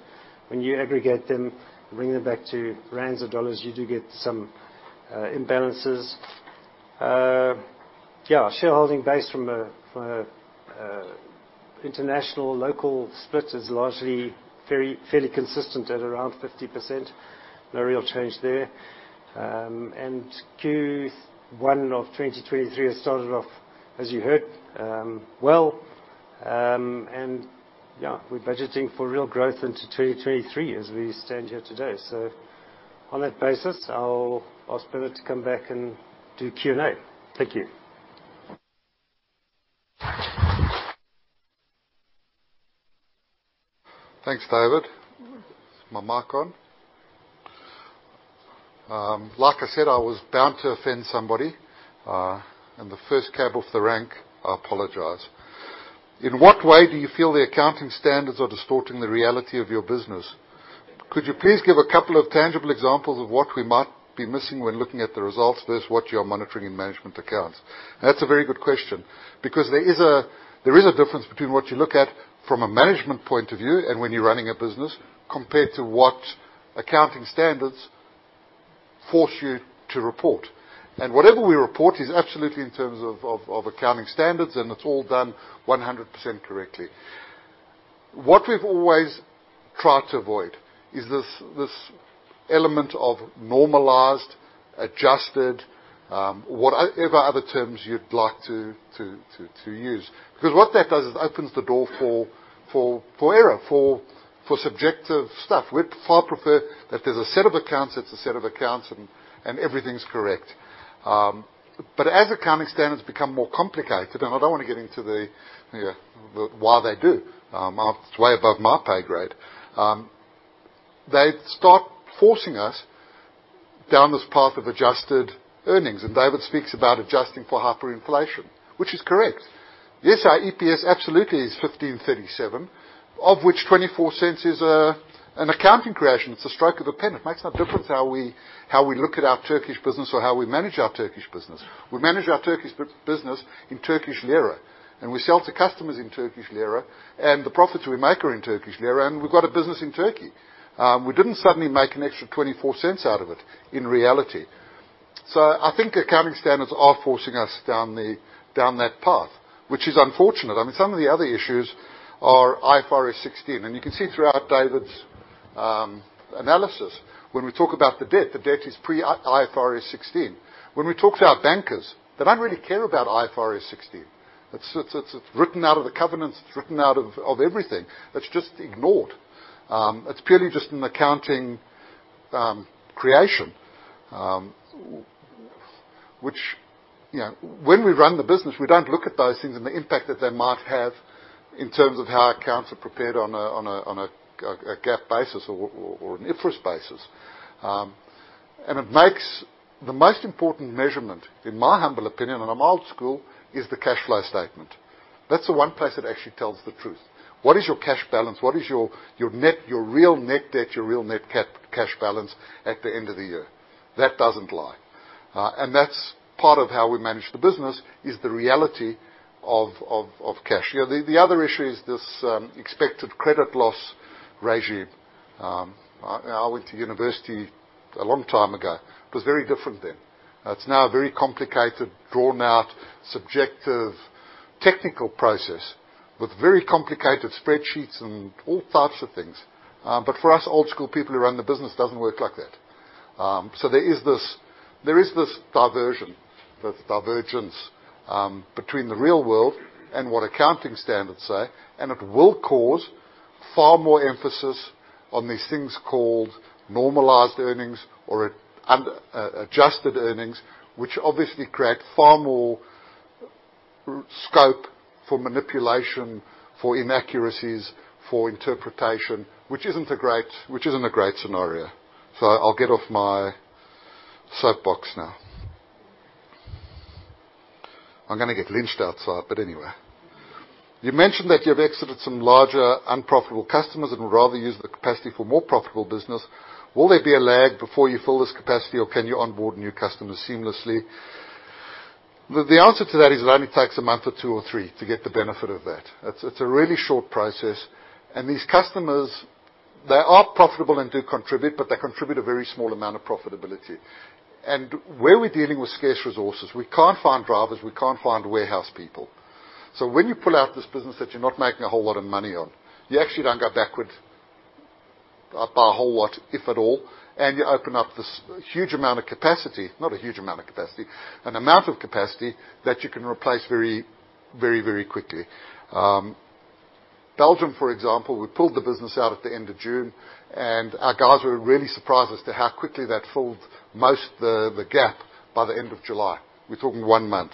when you aggregate them, bring them back to rands or US dollars, you do get some imbalances. Yeah, shareholder base from an international local split is largely fairly consistent at around 50%. No real change there. Q1 of 2023 has started off, as you heard, well. We're budgeting for real growth into 2023 as we stand here today. On that basis, I'll ask Bernard to come back and do Q&A. Thank you. Thanks, David. Is my mic on? Like I said, I was bound to offend somebody, and the first cab off the rank, I apologize. In what way do you feel the accounting standards are distorting the reality of your business? Could you please give a couple of tangible examples of what we might be missing when looking at the results versus what you're monitoring in management accounts? That's a very good question because there is a difference between what you look at from a management point of view and when you're running a business compared to what accounting standards force you to report. Whatever we report is absolutely in terms of accounting standards, and it's all done 100% correctly. What we've always tried to avoid is this element of normalized, adjusted, whatever other terms you'd like to use. Because what that does is opens the door for error, for subjective stuff. We'd far prefer that there's a set of accounts, that's a set of accounts and everything's correct. As accounting standards become more complicated, and I don't wanna get into the you know the why they do, way above my pay grade, they start forcing us down this path of adjusted earnings. David speaks about adjusting for hyperinflation, which is correct. Yes, our EPS absolutely is 1,537, of which 0.24 is an accounting creation. It's a stroke of a pen. It makes no difference how we look at our Turkish business or how we manage our Turkish business. We manage our Turkish business in Turkish lira, and we sell to customers in Turkish lira, and the profits we make are in Turkish lira, and we've got a business in Turkey. We didn't suddenly make an extra 24 cents out of it in reality. I think accounting standards are forcing us down that path, which is unfortunate. I mean, some of the other issues are IFRS 16, and you can see throughout David's analysis when we talk about the debt, the debt is pre-IFRS 16. When we talk to our bankers, they don't really care about IFRS 16. It's written out of the covenants. It's written out of everything. It's just ignored. It's purely just an accounting creation, which, you know, when we run the business, we don't look at those things and the impact that they might have in terms of how our accounts are prepared on a GAAP basis or an IFRS basis. It makes the most important measurement, in my humble opinion, and I'm old school, is the cash flow statement. That's the one place that actually tells the truth. What is your cash balance? What is your net, your real net debt, your real net cash balance at the end of the year? That doesn't lie. That's part of how we manage the business, is the reality of cash. You know, the other issue is this expected credit loss regime. You know, I went to university a long time ago. It was very different then. It's now a very complicated, drawn-out, subjective, technical process with very complicated spreadsheets and all types of things. For us old school people who run the business, it doesn't work like that. There is this divergence between the real world and what accounting standards say, and it will cause far more emphasis on these things called normalized earnings or adjusted earnings, which obviously create far more scope for manipulation, for inaccuracies, for interpretation, which isn't a great scenario. I'll get off my soapbox now. I'm gonna get lynched outside, but anyway. You mentioned that you have exited some larger unprofitable customers and would rather use the capacity for more profitable business. Will there be a lag before you fill this capacity, or can you onboard new customers seamlessly? The answer to that is it only takes a month or two or three to get the benefit of that. It's a really short process. These customers, they are profitable and do contribute, but they contribute a very small amount of profitability. Where we're dealing with scarce resources, we can't find drivers, we can't find warehouse people. When you pull out this business that you're not making a whole lot of money on, you actually don't go backwards by a whole lot, if at all, and you open up this huge amount of capacity, not a huge amount of capacity, an amount of capacity that you can replace very, very, very quickly. Belgium, for example, we pulled the business out at the end of June, and our guys were really surprised as to how quickly that filled most of the gap by the end of July. We're talking one month.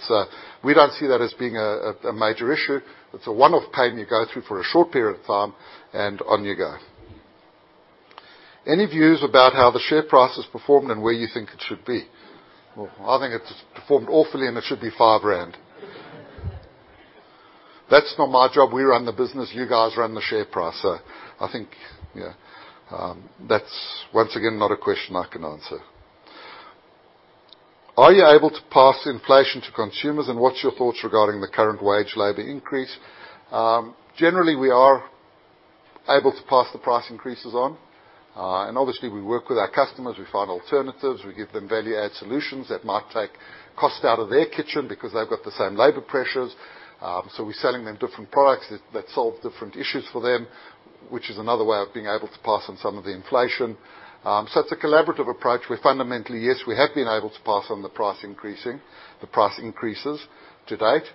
We don't see that as being a major issue. It's a one-off pain you go through for a short period of time, and on you go. Any views about how the share price has performed and where you think it should be? Well, I think it's performed awfully, and it should be 5 rand. That's not my job. We run the business. You guys run the share price. So I think, you know, that's once again, not a question I can answer. Are you able to pass inflation to consumers, and what's your thoughts regarding the current wage labor increase? Generally, we are able to pass the price increases on. Obviously we work with our customers. We find alternatives. We give them value add solutions that might take cost out of their kitchen because they've got the same labor pressures. We're selling them different products that solve different issues for them, which is another way of being able to pass on some of the inflation. It's a collaborative approach. We fundamentally yes, we have been able to pass on the price increases to date.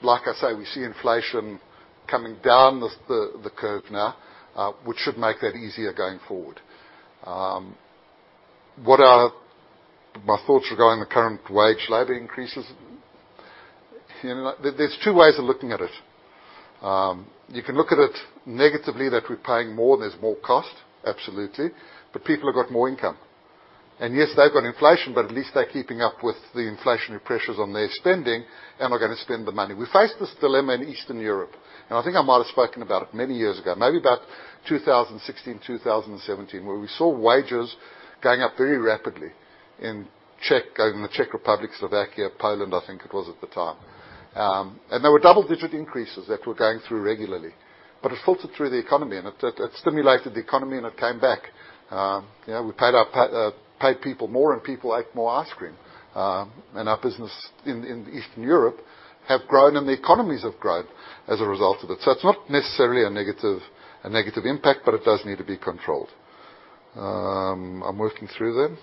Like I say, we see inflation coming down the curve now, which should make that easier going forward. What are my thoughts regarding the current wage labor increases? You know, there's two ways of looking at it. You can look at it negatively that we're paying more, there's more cost, absolutely. People have got more income. Yes, they've got inflation, but at least they're keeping up with the inflationary pressures on their spending and are gonna spend the money. We face this dilemma in Eastern Europe, and I think I might have spoken about it many years ago, maybe about 2016, 2017, where we saw wages going up very rapidly in the Czech Republic, Slovakia, Poland, I think it was at the time. There were double-digit increases that were going through regularly, but it filtered through the economy and it stimulated the economy and it came back. You know, we paid people more and people ate more ice cream. Our business in Eastern Europe have grown and the economies have grown as a result of it. So it's not necessarily a negative impact, but it does need to be controlled. I'm working through them.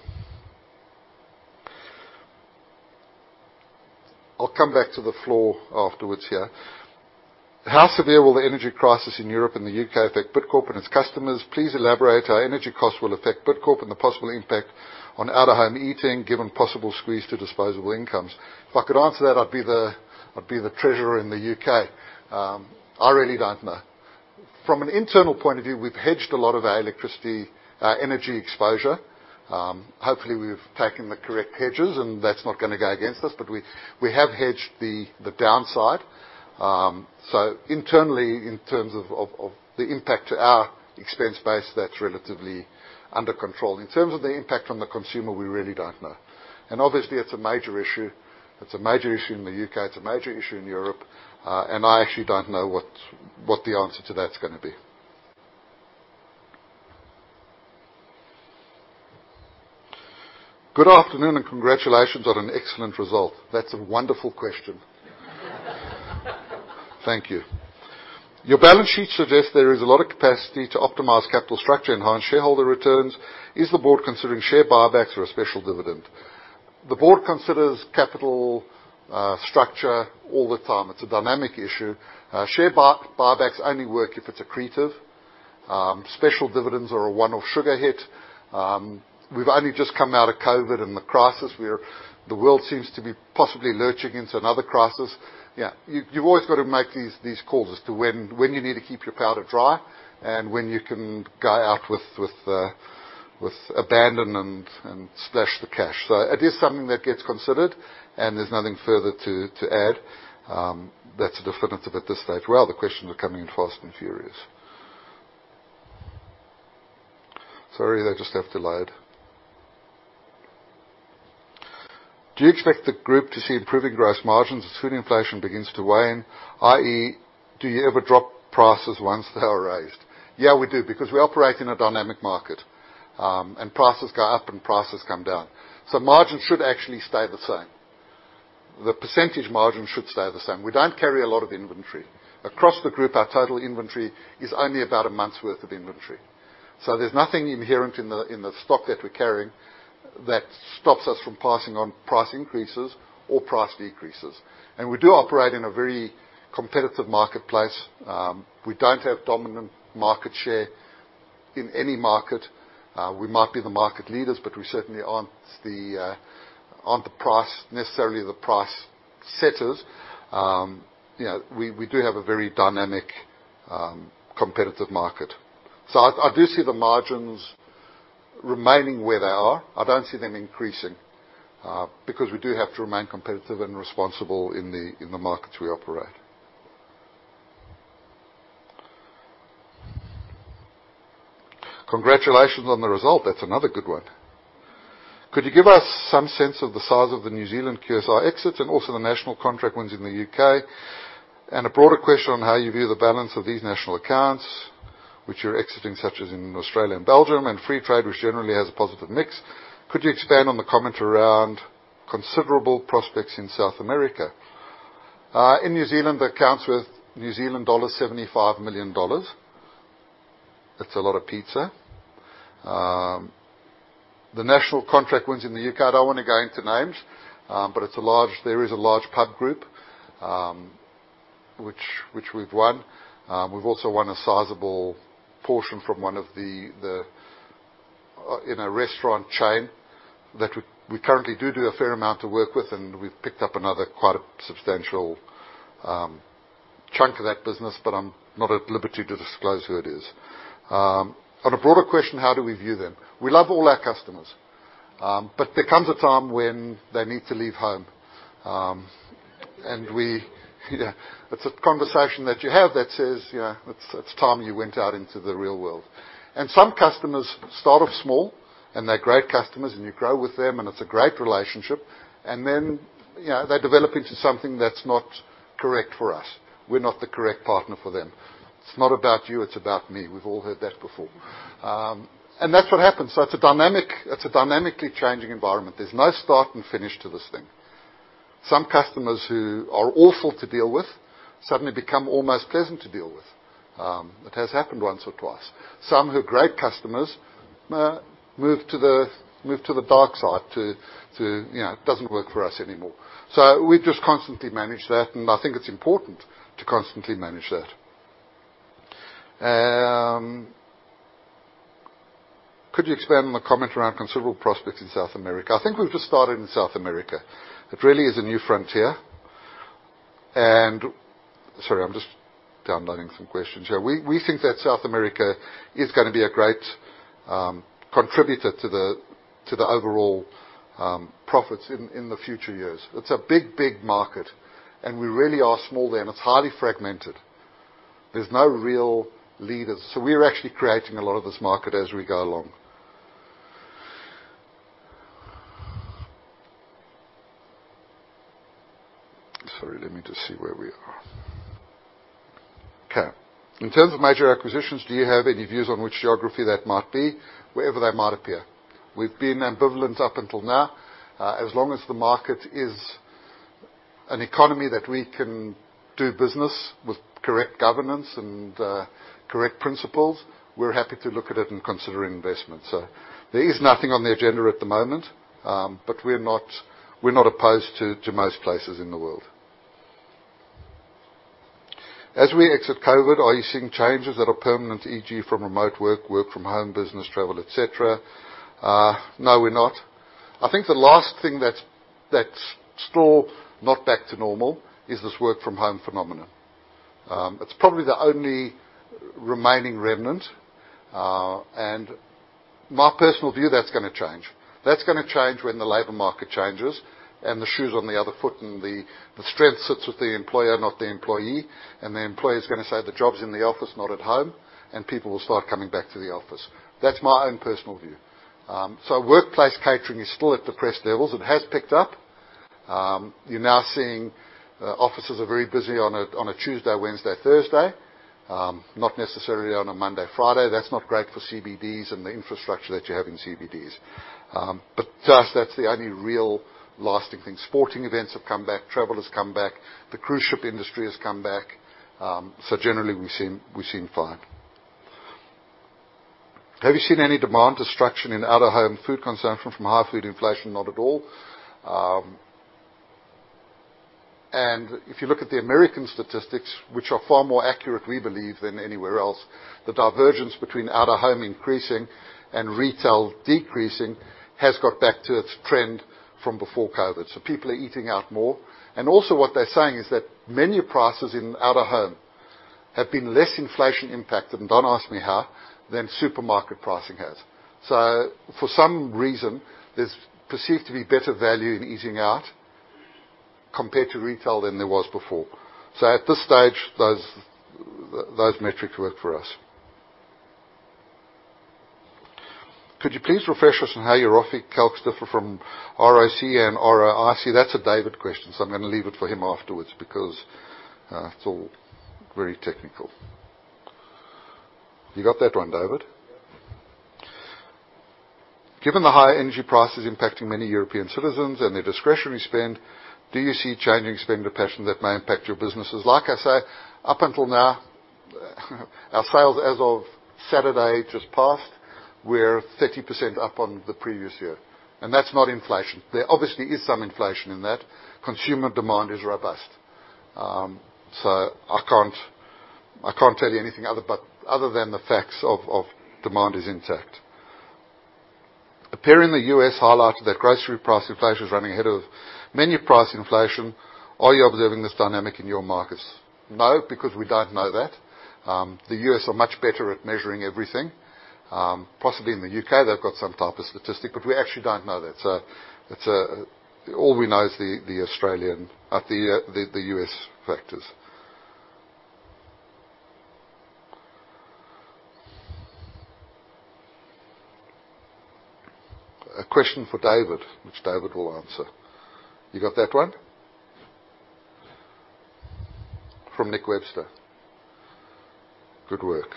I'll come back to the floor afterwards here. How severe will the energy crisis in Europe and the U.K. affect Bidcorp and its customers? Please elaborate how energy costs will affect Bidcorp and the possible impact on out of home eating, given possible squeeze to disposable incomes. If I could answer that, I'd be the treasurer in the U.K. I really don't know. From an internal point of view, we've hedged a lot of our electricity, energy exposure. Hopefully we've taken the correct hedges, and that's not gonna go against us, but we have hedged the downside. Internally, in terms of the impact to our expense base, that's relatively under control. In terms of the impact on the consumer, we really don't know. Obviously, it's a major issue. It's a major issue in the UK. It's a major issue in Europe. I actually don't know what the answer to that's gonna be. Good afternoon, congratulations on an excellent result. That's a wonderful question. Thank you. Your balance sheet suggests there is a lot of capacity to optimize capital structure, enhance shareholder returns. Is the board considering share buybacks or a special dividend? The board considers capital structure all the time. It's a dynamic issue. Share buybacks only work if it's accretive. Special dividends are a one-off sugar hit. We've only just come out of COVID and the crisis. The world seems to be possibly lurching into another crisis. Yeah, you've always got to make these calls as to when you need to keep your powder dry and when you can go out with abandon and splash the cash. It is something that gets considered, and there's nothing further to add that's definitive at this stage. Well, the questions are coming in fast and furious. Sorry, they're just delayed. Do you expect the group to see improving gross margins as food inflation begins to wane? i.e. do you ever drop prices once they are raised? Yeah, we do, because we operate in a dynamic market, and prices go up and prices come down. Margins should actually stay the same. The percentage margin should stay the same. We don't carry a lot of inventory. Across the group, our total inventory is only about a month's worth of inventory. There's nothing inherent in the stock that we're carrying that stops us from passing on price increases or price decreases. We do operate in a very competitive marketplace. We don't have dominant market share in any market. We might be the market leaders, but we certainly aren't necessarily the price setters. You know, we do have a very dynamic, competitive market. I do see the margins remaining where they are. I don't see them increasing because we do have to remain competitive and responsible in the markets we operate. Congratulations on the result. That's another good one. Could you give us some sense of the size of the New Zealand QSR exit and also the national contract wins in the UK? A broader question on how you view the balance of these national accounts which are exiting, such as in Australia and Belgium, and free trade, which generally has a positive mix. Could you expand on the comment around considerable prospects in South America? In New Zealand, that's New Zealand dollars 75 million. That's a lot of pizza. The national contract wins in the UK, I don't wanna go into names, but there is a large pub group which we've won. We've also won a sizable portion from one of the in a restaurant chain that we currently do a fair amount of work with, and we've picked up another quite a substantial chunk of that business, but I'm not at liberty to disclose who it is. On a broader question, how do we view them? We love all our customers, but there comes a time when they need to leave home. It's a conversation that you have that says, "You know, it's time you went out into the real world." Some customers start off small, and they're great customers, and you grow with them, and it's a great relationship. Then, you know, they develop into something that's not correct for us. We're not the correct partner for them. It's not about you, it's about me. We've all heard that before. That's what happens. It's a dynamically changing environment. There's no start and finish to this thing. Some customers who are awful to deal with suddenly become almost pleasant to deal with. It has happened once or twice. Some who are great customers move to the dark side to, you know, it doesn't work for us anymore. We just constantly manage that, and I think it's important to constantly manage that. Could you expand on the comment around considerable prospects in South America? I think we've just started in South America. It really is a new frontier. Sorry, I'm just downloading some questions here. We think that South America is gonna be a great contributor to the overall profits in the future years. It's a big, big market, and we really are small there, and it's highly fragmented. There's no real leaders, so we're actually creating a lot of this market as we go along. Sorry, let me just see where we are. Okay. In terms of major acquisitions, do you have any views on which geography that might be, wherever they might appear? We've been ambivalent up until now. As long as the market is an economy that we can do business with correct governance and correct principles, we're happy to look at it and consider investment. There is nothing on the agenda at the moment, but we're not opposed to most places in the world. As we exit COVID, are you seeing changes that are permanent, e.g., from remote work from home, business travel, et cetera? No, we're not. I think the last thing that's still not back to normal is this work from home phenomenon. It's probably the only remaining remnant. My personal view, that's gonna change when the labor market changes, and the shoe's on the other foot, and the strength sits with the employer, not the employee. The employee is gonna say, "The job's in the office, not at home," and people will start coming back to the office. That's my own personal view. Workplace catering is still at depressed levels. It has picked up. You're now seeing offices are very busy on a Tuesday, Wednesday, Thursday, not necessarily on a Monday, Friday. That's not great for CBDs and the infrastructure that you have in CBDs. To us, that's the only real lasting thing. Sporting events have come back, travel has come back, the cruise ship industry has come back. Generally we seem fine. Have you seen any demand destruction in out-of-home food consumption from high food inflation? Not at all. If you look at the American statistics, which are far more accurate, we believe, than anywhere else, the divergence between out-of-home increasing and retail decreasing has got back to its trend from before COVID. People are eating out more. Also what they're saying is that menu prices in out-of-home have been less inflation impacted, and don't ask me how, than supermarket pricing has. For some reason, there's perceived to be better value in eating out compared to retail than there was before. At this stage, those metrics work for us. Could you please refresh us on how your ROIC calcs differ from ROC and ROIC? That's a David question, so I'm gonna leave it for him afterwards because, it's all very technical. You got that one, David? Given the high energy prices impacting many European citizens and their discretionary spend, do you see changing spending patterns that may impact your businesses? Like I say, up until now, our sales as of Saturday just past were 30% up on the previous year, and that's not inflation. There obviously is some inflation in that. Consumer demand is robust. So I can't tell you anything other than the facts of demand is intact. Appearing in the US highlight that grocery price inflation is running ahead of menu price inflation. Are you observing this dynamic in your markets? No, because we don't know that. The U.S. are much better at measuring everything. Possibly in the U.K., they've got some type of statistic, but we actually don't know that. So it's all we know is the Australian and the U.S. factors. A question for David, which David will answer. You got that one? From Nick Webster. Good work.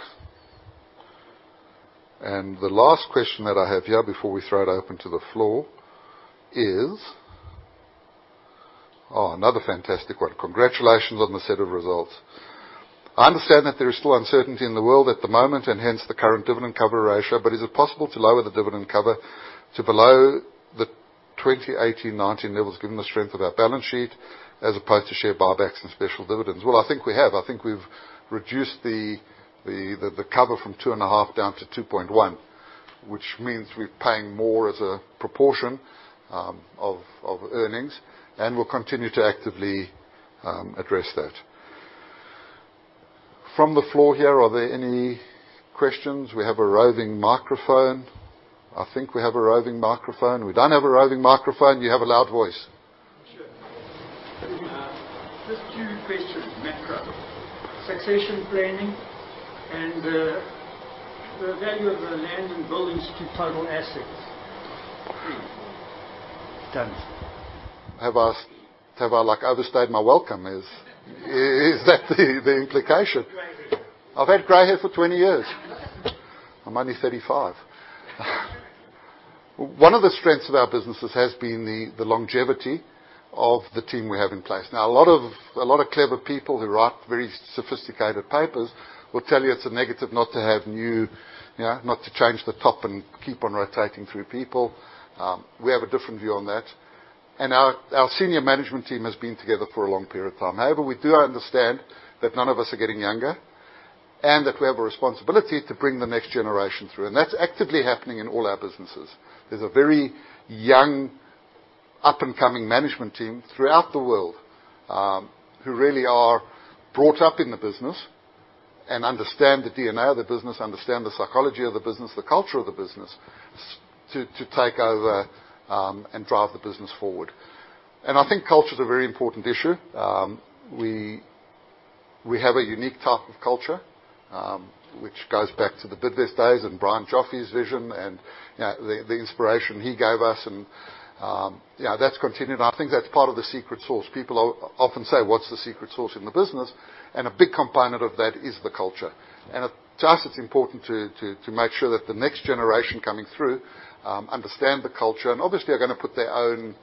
The last question that I have here before we throw it open to the floor is. Oh, another fantastic one. Congratulations on the set of results. I understand that there is still uncertainty in the world at the moment, and hence the current dividend cover ratio, but is it possible to lower the dividend cover to below the 2018, 2019 levels, given the strength of our balance sheet as opposed to share buybacks and special dividends? Well, I think we have. I think we've reduced the cover from 2.5 down to 2.1, which means we're paying more as a proportion of earnings, and we'll continue to actively address that. From the floor here, are there any questions? We have a roving microphone. I think we have a roving microphone. We don't have a roving microphone. You have a loud voice. Sure. Just two questions. Macro. Succession planning and the value of the land and buildings to total assets. Done. Have I like overstayed my welcome? Is that the implication? I've had gray hair for 20 years. I'm only 35. One of the strengths of our businesses has been the longevity of the team we have in place. Now, a lot of clever people who write very sophisticated papers will tell you it's a negative not to have new, you know, not to change the top and keep on rotating through people. We have a different view on that. Our senior management team has been together for a long period of time. However, we do understand that none of us are getting younger and that we have a responsibility to bring the next generation through, and that's actively happening in all our businesses. There's a very young up-and-coming management team throughout the world, who really are brought up in the business and understand the DNA of the business, understand the psychology of the business, the culture of the business, to take over, and drive the business forward. I think culture is a very important issue. We have a unique type of culture, which goes back to the Bidvest days and Brian Joffe's vision and, you know, the inspiration he gave us and, you know, that's continued. I think that's part of the secret sauce. People often say, "What's the secret sauce in the business?" A big component of that is the culture. To us, it's important to make sure that the next generation coming through understand the culture, and obviously are gonna put their own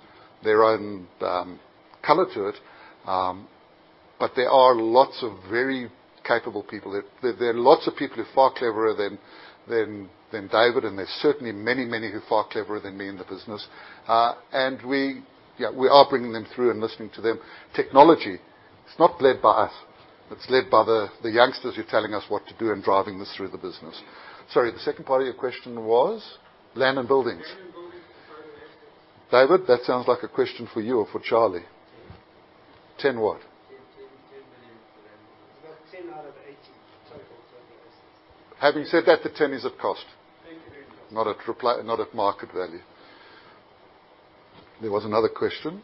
color to it. There are lots of very capable people. There are lots of people who are far cleverer than David, and there's certainly many who are far cleverer than me in the business. We are bringing them through and listening to them. Technology, it's not led by us. It's led by the youngsters who are telling us what to do and driving this through the business. Sorry, the second part of your question was? Land and buildings. Land and buildings as a part of the assets. David, that sounds like a question for you or for Charlie. 10 what? 10 billion for land. It's about 10 out of 80 total assets. Having said that, the 10 is at cost. Thank you very much. Not at market value. There was another question.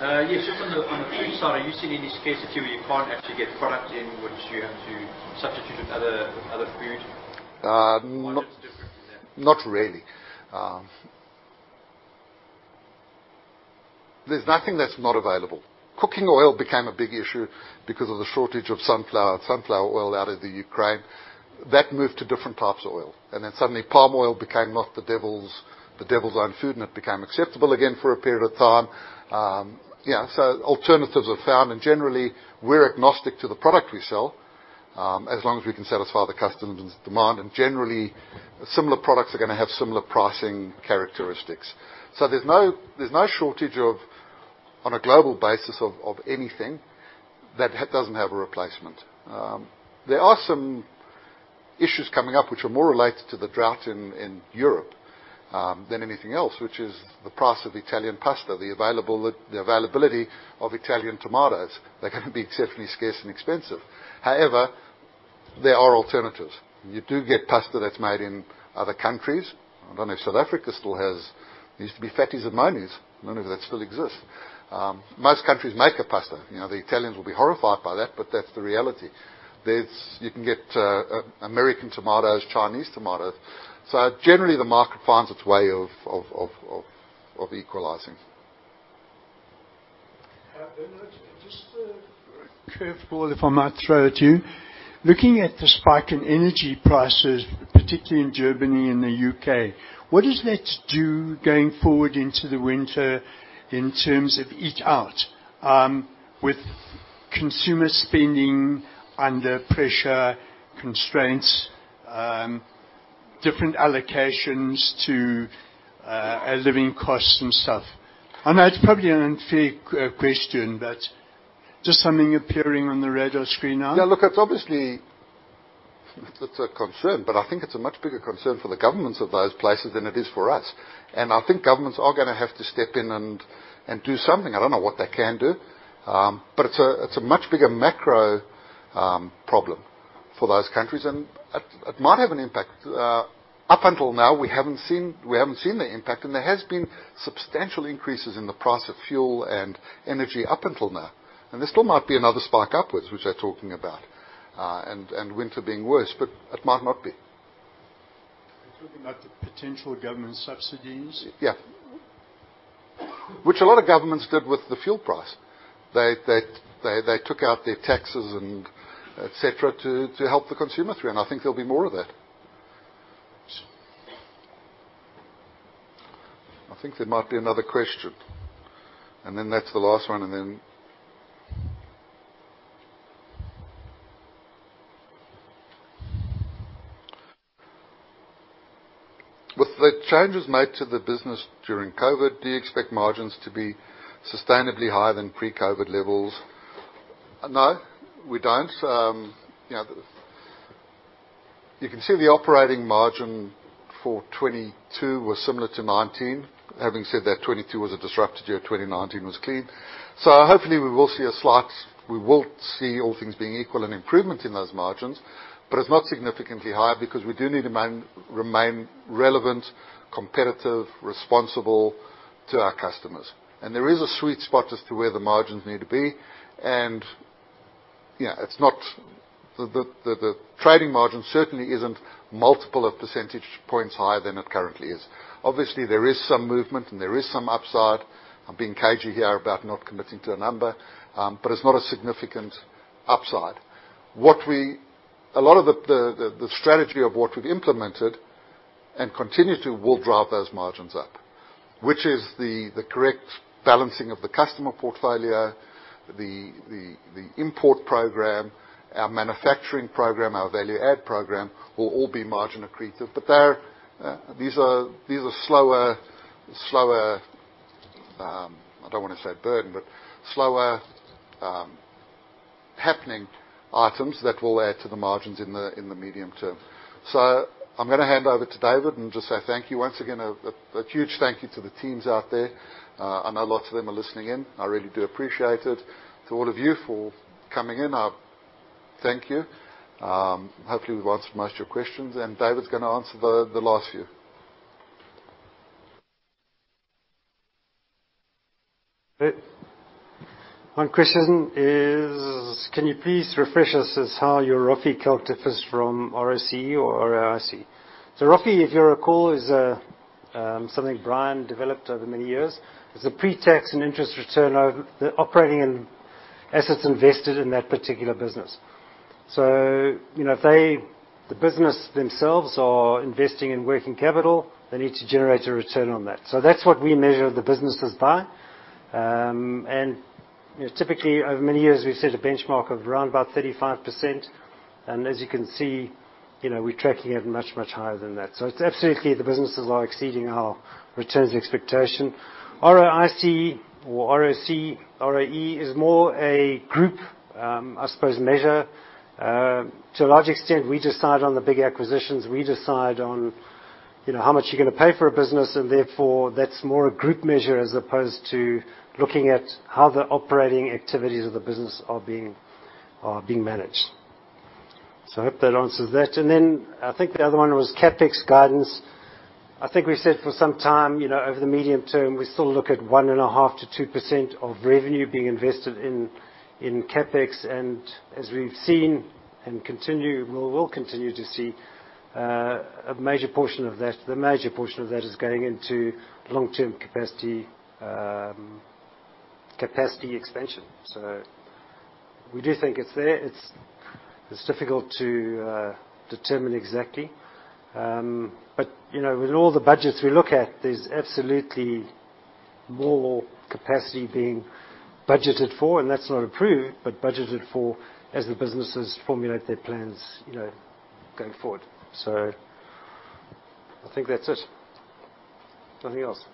Yes, just on the food side, are you seeing any scarcity where you can't actually get product in which you have to substitute with other food? Uh, not- What is different to that? Not really. There's nothing that's not available. Cooking oil became a big issue because of the shortage of sunflower oil out of the Ukraine. That moved to different types of oil. Suddenly, palm oil became not the devil's own food, and it became acceptable again for a period of time. Yeah, alternatives are found. Generally, we're agnostic to the product we sell, as long as we can satisfy the customer's demand. Generally, similar products are gonna have similar pricing characteristics. There's no shortage of, on a global basis, of anything that doesn't have a replacement. There are some issues coming up which are more related to the drought in Europe than anything else, which is the price of Italian pasta, the availability of Italian tomatoes. They're gonna be terribly scarce and expensive. However, there are alternatives. You do get pasta that's made in other countries. I don't know if South Africa still has Fatti's & Moni's. Used to be Fatti's & Moni's. I don't know if that still exists. Most countries make a pasta. You know, the Italians will be horrified by that, but that's the reality. There's. You can get American tomatoes, Chinese tomatoes. Generally, the market finds its way of equalizing. Bernard, just a curveball, if I might throw at you. Looking at the spike in energy prices, particularly in Germany and the U.K., what does that do going forward into the winter in terms of eat out, with consumer spending under pressure constraints, different allocations to living costs and stuff? I know it's probably an unfair question, but just something appearing on the radar screen now. Yeah. Look, it's obviously a concern, but I think it's a much bigger concern for the governments of those places than it is for us. I think governments are gonna have to step in and do something. I don't know what they can do. It's a much bigger macro problem for those countries, and it might have an impact. Up until now, we haven't seen the impact, and there has been substantial increases in the price of fuel and energy up until now. There still might be another spike upwards, which they're talking about, and winter being worse, but it might not be. It's looking like the potential government subsidies. Yeah. Which a lot of governments did with the fuel price. They took out their taxes and etc. to help the consumer through, and I think there'll be more of that. I think there might be another question. That's the last one. With the changes made to the business during COVID, do you expect margins to be sustainably higher than pre-COVID levels? No, we don't. You know, you can see the operating margin for 2022 was similar to 2019. Having said that, 2022 was a disrupted year, 2019 was clean. Hopefully we will see a slight improvement in those margins, but it's not significantly higher because we do need to remain relevant, competitive, responsible to our customers. There is a sweet spot as to where the margins need to be. You know, it's not the trading margin certainly isn't multiple of percentage points higher than it currently is. Obviously, there is some movement and there is some upside. I'm being cagey here about not committing to a number, but it's not a significant upside. A lot of the strategy of what we've implemented and continue to will drive those margins up, which is the correct balancing of the customer portfolio, the import program, our manufacturing program, our value add program will all be margin accretive. But they're these are slower, I don't wanna say burden, but slower happening items that will add to the margins in the medium term. I'm gonna hand over to David and just say thank you once again. Huge thank you to the teams out there. I know lots of them are listening in. I really do appreciate it. To all of you for coming in, I thank you. Hopefully, we've answered most of your questions, and David's gonna answer the last few. One question is: can you please refresh us on how your ROFI calc differs from ROCE or ROIC? ROFI, if you recall, is something Brian developed over many years. It's a pretax and interest return over the operating and assets invested in that particular business. You know, if they, the business themselves are investing in working capital, they need to generate a return on that. That's what we measure the businesses by. You know, typically, over many years, we set a benchmark of around about 35%. As you can see, you know, we're tracking it much, much higher than that. It's absolutely the businesses are exceeding our returns expectation. ROIC or ROC, ROE is more a group measure, I suppose. To a large extent, we decide on the big acquisitions, we decide on, you know, how much you're gonna pay for a business, and therefore, that's more a group measure as opposed to looking at how the operating activities of the business are being managed. I hope that answers that. I think the other one was CapEx guidance. I think we said for some time, you know, over the medium term, we still look at 1.5%-2% of revenue being invested in CapEx. As we've seen and we will continue to see a major portion of that. The major portion of that is going into long-term capacity expansion. We do think it's there. It's difficult to determine exactly. But you know, with all the budgets we look at, there's absolutely more capacity being budgeted for, and that's not approved, but budgeted for as the businesses formulate their plans, you know, going forward. I think that's it. Nothing else.